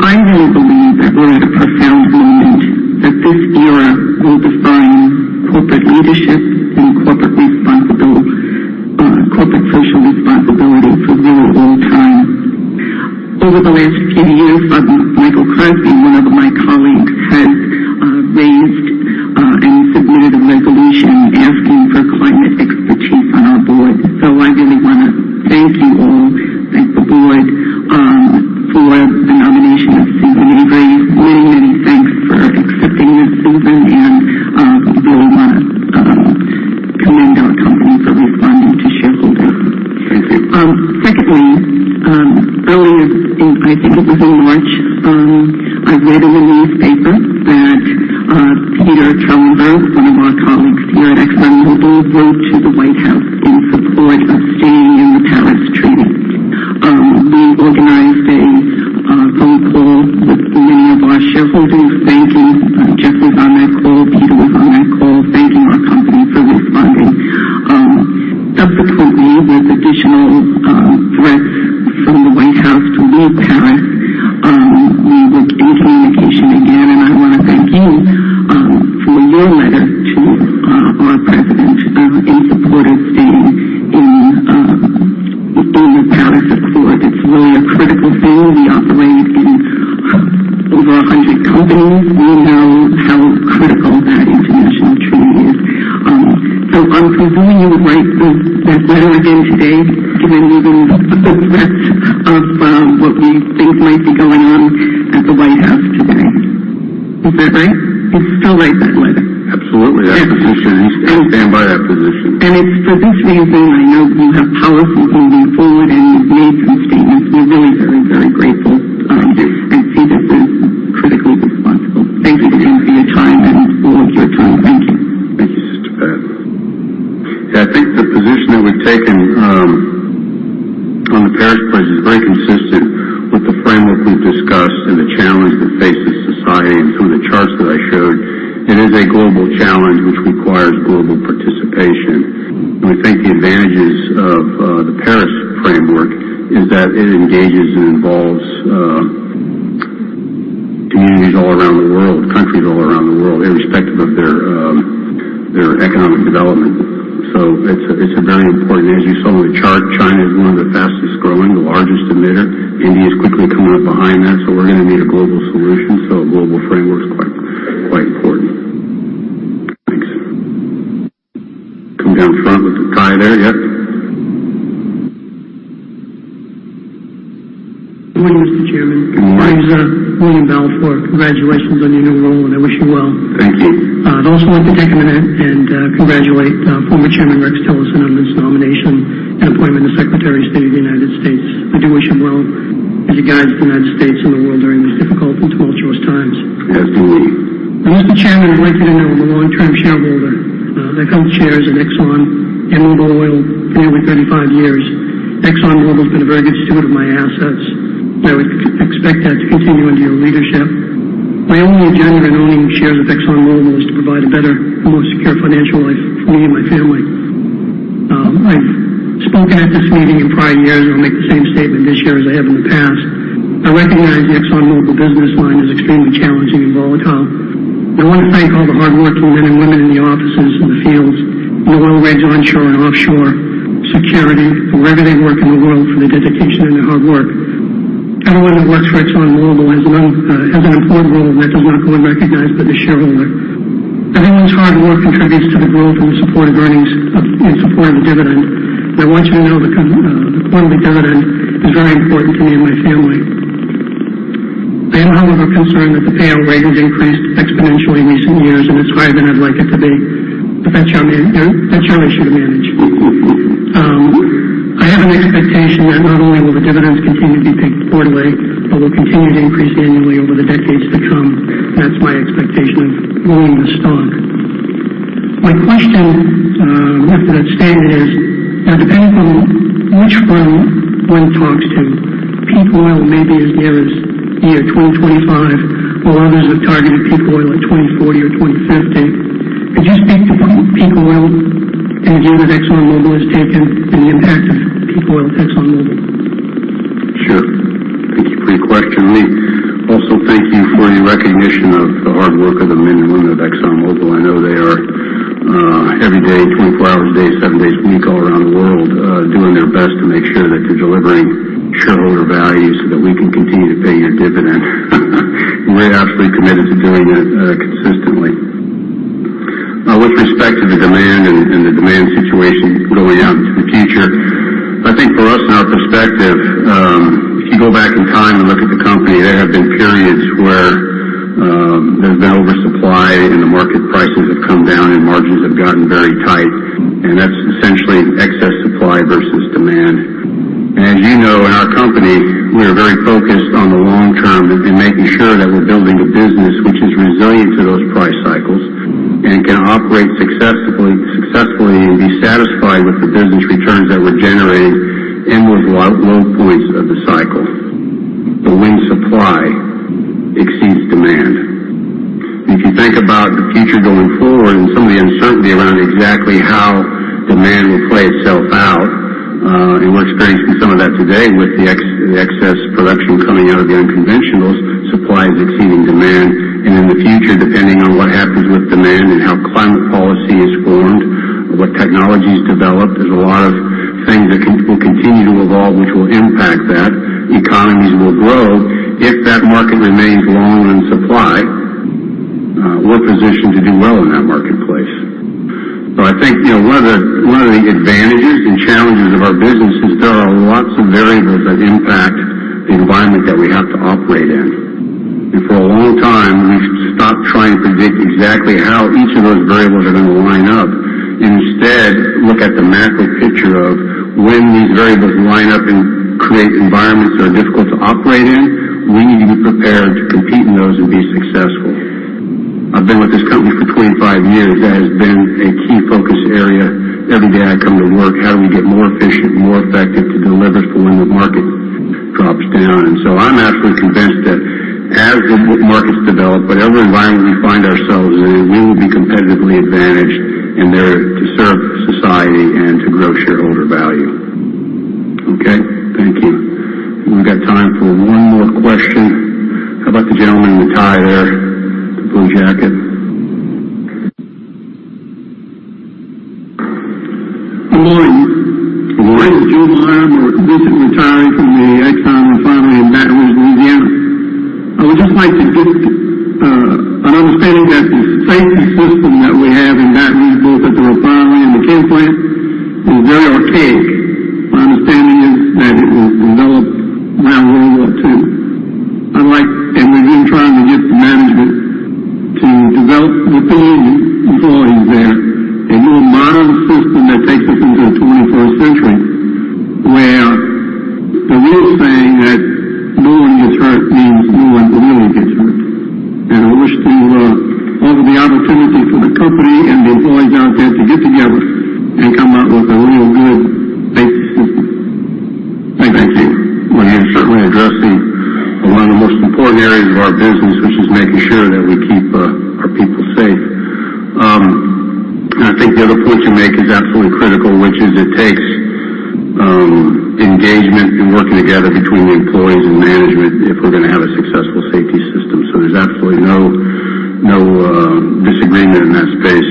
Speaker 14: I really believe that we're at a profound moment, that this era will define corporate leadership and corporate social responsibility for a very long time. Over the last few years, Michael Crosby, one of my colleagues, has raised and submitted a resolution asking for climate expertise on our board. I really want to thank you all, thank the board for the nomination of Susan Avery. Many, many thanks for accepting this, Susan, and we really want to commend our company for responding to shareholder input. Secondly, earlier, I think it was in March, I read in the newspaper that Peter Trelenberg, one of our colleagues here at ExxonMobil, wrote to the White House in support of staying in the Paris Agreement. We organized a phone call with many of our shareholders. Jeff was on that call, Peter was on that call, thanking our company for responding. Subsequently, with additional threats from the White House to leave Paris, we were in communication again, and I want to thank you for your letter to our president in support of staying in the Paris Accord. It's really a critical thing. We operate in over 100 countries. We know how critical that international treaty is. I'm presuming you would write this letter again today given the threats of what we think might be going on at the White House today. Is that right? You'd still write that letter?
Speaker 1: Absolutely. That position, I stand by that position.
Speaker 14: It's for this reason, I know you have policy moving forward, you've made some statements. We're really very grateful. I see this as critically responsible. Thank you again for your time and all of your time. Thank you.
Speaker 1: Thank you, Sister Pat. Yeah, I think the position that we've taken on the Paris pledge is very consistent with the framework we've discussed and the challenge that faces society and some of the charts that I showed. It is a global challenge which requires global participation. We think the advantages of the Paris framework is that it engages and involves communities all around the world, countries all around the world, irrespective of their economic development. It's very important. As you saw in the chart, China is one of the fastest growing, the largest emitter. India's quickly coming up behind that. We're going to need a global solution. A global framework is quite important. Thanks. Come down front with the tie there. Yep.
Speaker 15: Good morning, Mr. Chairman.
Speaker 1: Good morning.
Speaker 15: I'm William Balfour. Congratulations on your new role. I wish you well.
Speaker 1: Thank you.
Speaker 15: I'd also like to take a minute and congratulate former Chairman Rex Tillerson on his nomination and appointment as Secretary of State of the United States. We do wish him well as he guides the United States and the world during these difficult and tumultuous times.
Speaker 1: As do we.
Speaker 15: Mr. Chairman, I'd like to begin with a long-term shareholder that held shares in Exxon and Mobil Oil for nearly 35 years. ExxonMobil's been a very good steward of my assets, and I would expect that to continue under your leadership. My only agenda in owning shares of ExxonMobil is to provide a better and more secure financial life for me and my family. I've spoken at this meeting in prior years, and I make the same statement this year as I have in the past. I recognize the ExxonMobil business line is extremely challenging and volatile. I want to thank all the hardworking men and women in the offices, in the fields, on the well rigs, onshore and offshore, security, wherever they work in the world for their dedication and their hard work. Everyone that works for ExxonMobil has an important role that does not go unrecognized by the shareholder. Everyone's hard work contributes to the growth and the support of earnings in supporting the dividend. I want you to know the point of the dividend is very important to me and my family. I am, however, concerned that the payout rate has increased exponentially in recent years and is higher than I'd like it to be, but that's your issue to manage. I have an expectation that not only will the dividends continue to be paid quarterly, but will continue to increase annually over the decades to come. That's my expectation of owning the stock. My question, if it stands, is depending on which one one talks to, peak oil may be as near as year 2025, while others have targeted peak oil at 2040 or 2050. Could you speak to peak oil and the view that ExxonMobil has taken and the impact of peak oil on ExxonMobil?
Speaker 1: Sure. Thank you for your question. Also thank you for the recognition of the hard work of the men and women of ExxonMobil. I know they are every day, 24 hours a day, seven days a week, all around the world, doing their best to make sure that they're delivering shareholder value so that we can continue to pay a dividend. We're absolutely committed to doing that consistently. With respect to the demand and the demand situation going out into the future, I think for us in our perspective, if you go back in time and look at the company, there have been periods where there's been oversupply and the market prices have come down and margins have gotten very tight. That's essentially excess supply versus demand. As you know, in our company, we are very focused on the long term and making sure that we're building a business which is resilient to those price cycles and can operate successfully and be satisfied with the business returns that we're generating in those low points of the cycle, but when supply exceeds demand. If you think about the future going forward and some of the uncertainty around exactly how demand will play itself out, we're experiencing some of that today with the excess production coming out of the unconventionals, supply is exceeding demand. In the future, depending on what happens with demand and how climate policy is formed or what technology is developed, there's a lot of things that will continue to evolve which will impact that. Economies will grow. If that market remains long on supply, we're positioned to do well in that marketplace. I think one of the advantages and challenges of our business is there are lots of variables that impact the environment that we have to operate in. For a long time, we've stopped trying to predict exactly how each of those variables are going to line up, and instead look at the macro picture of when these variables line up and create environments that are difficult to operate in, we need to be prepared to compete in those and be successful. I've been with this company for 25 years. That has been a key focus area every day I come to work, how do we get more efficient, more effective to deliver for when the market drops down? I'm absolutely convinced that as markets develop, whatever environment we find ourselves in, we will be competitively advantaged in there to serve society and to grow shareholder value. Okay, thank you. We've got time for one more question. How about the gentleman in the tie there with the blue jacket?
Speaker 16: Good morning. Good morning. My name is Joe Meyer. I'm a visiting retiree from the Exxon refinery in Baton Rouge, Louisiana. I would just like to get an understanding that the safety system that we have in Baton Rouge, both at the refinery and the chem plant, is very archaic. My understanding is that it was developed around World War II. I'd like Exxon trying to get the management to develop with the employees there a more modern system that takes us into the 21st century, where the rule saying that no one gets hurt means no one really gets hurt. I wish to offer the opportunity for the company and the employees out there to get together and come up with a real good safety system. Thank you.
Speaker 1: Thank you. Well, you're certainly addressing one of the most important areas of our business, which is making sure that we keep our people safe. I think the other point you make is absolutely critical, which is it takes engagement and working together between the employees and management if we're going to have a successful safety system. There's absolutely no disagreement in that space.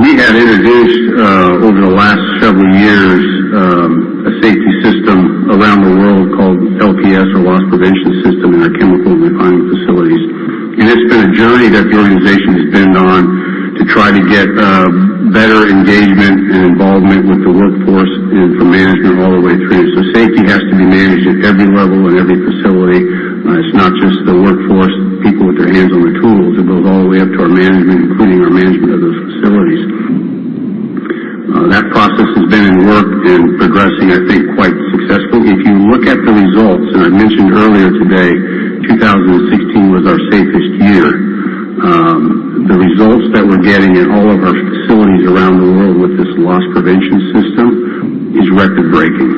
Speaker 1: We have introduced, over the last several years, a safety system around the world called LPS or Loss Prevention System in our chemical refining facilities. It's been a journey that the organization has been on to try to get better engagement and involvement with the workforce and from management all the way through. Safety has to be managed at every level in every facility. It's not just the workforce, people with their hands on the tools. It goes all the way up to our management, including our management of those facilities. That process has been in work and progressing, I think, quite successfully. If you look at the results, and I mentioned earlier today, 2016 was our safest year. The results that we're getting in all of our facilities around the world with this Loss Prevention System is record-breaking.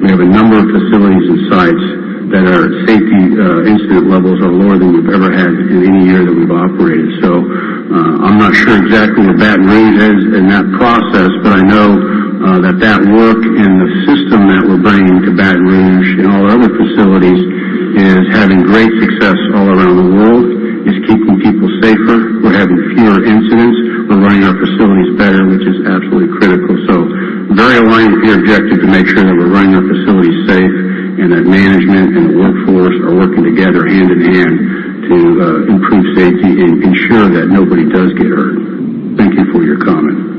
Speaker 1: We have a number of facilities and sites that our safety incident levels are lower than we've ever had in any year that we've operated. I'm not sure exactly where Baton Rouge is in that process, but I know that work and the system that we're bringing to Baton Rouge and all our other facilities is having great success all around the world is keeping people safer. We're having fewer incidents. We're running our facilities better, which is absolutely critical. Very aligned with your objective to make sure that we're running our facilities safe and that management and the workforce are working together hand-in-hand to improve safety and ensure that nobody does get hurt. Thank you for your comment.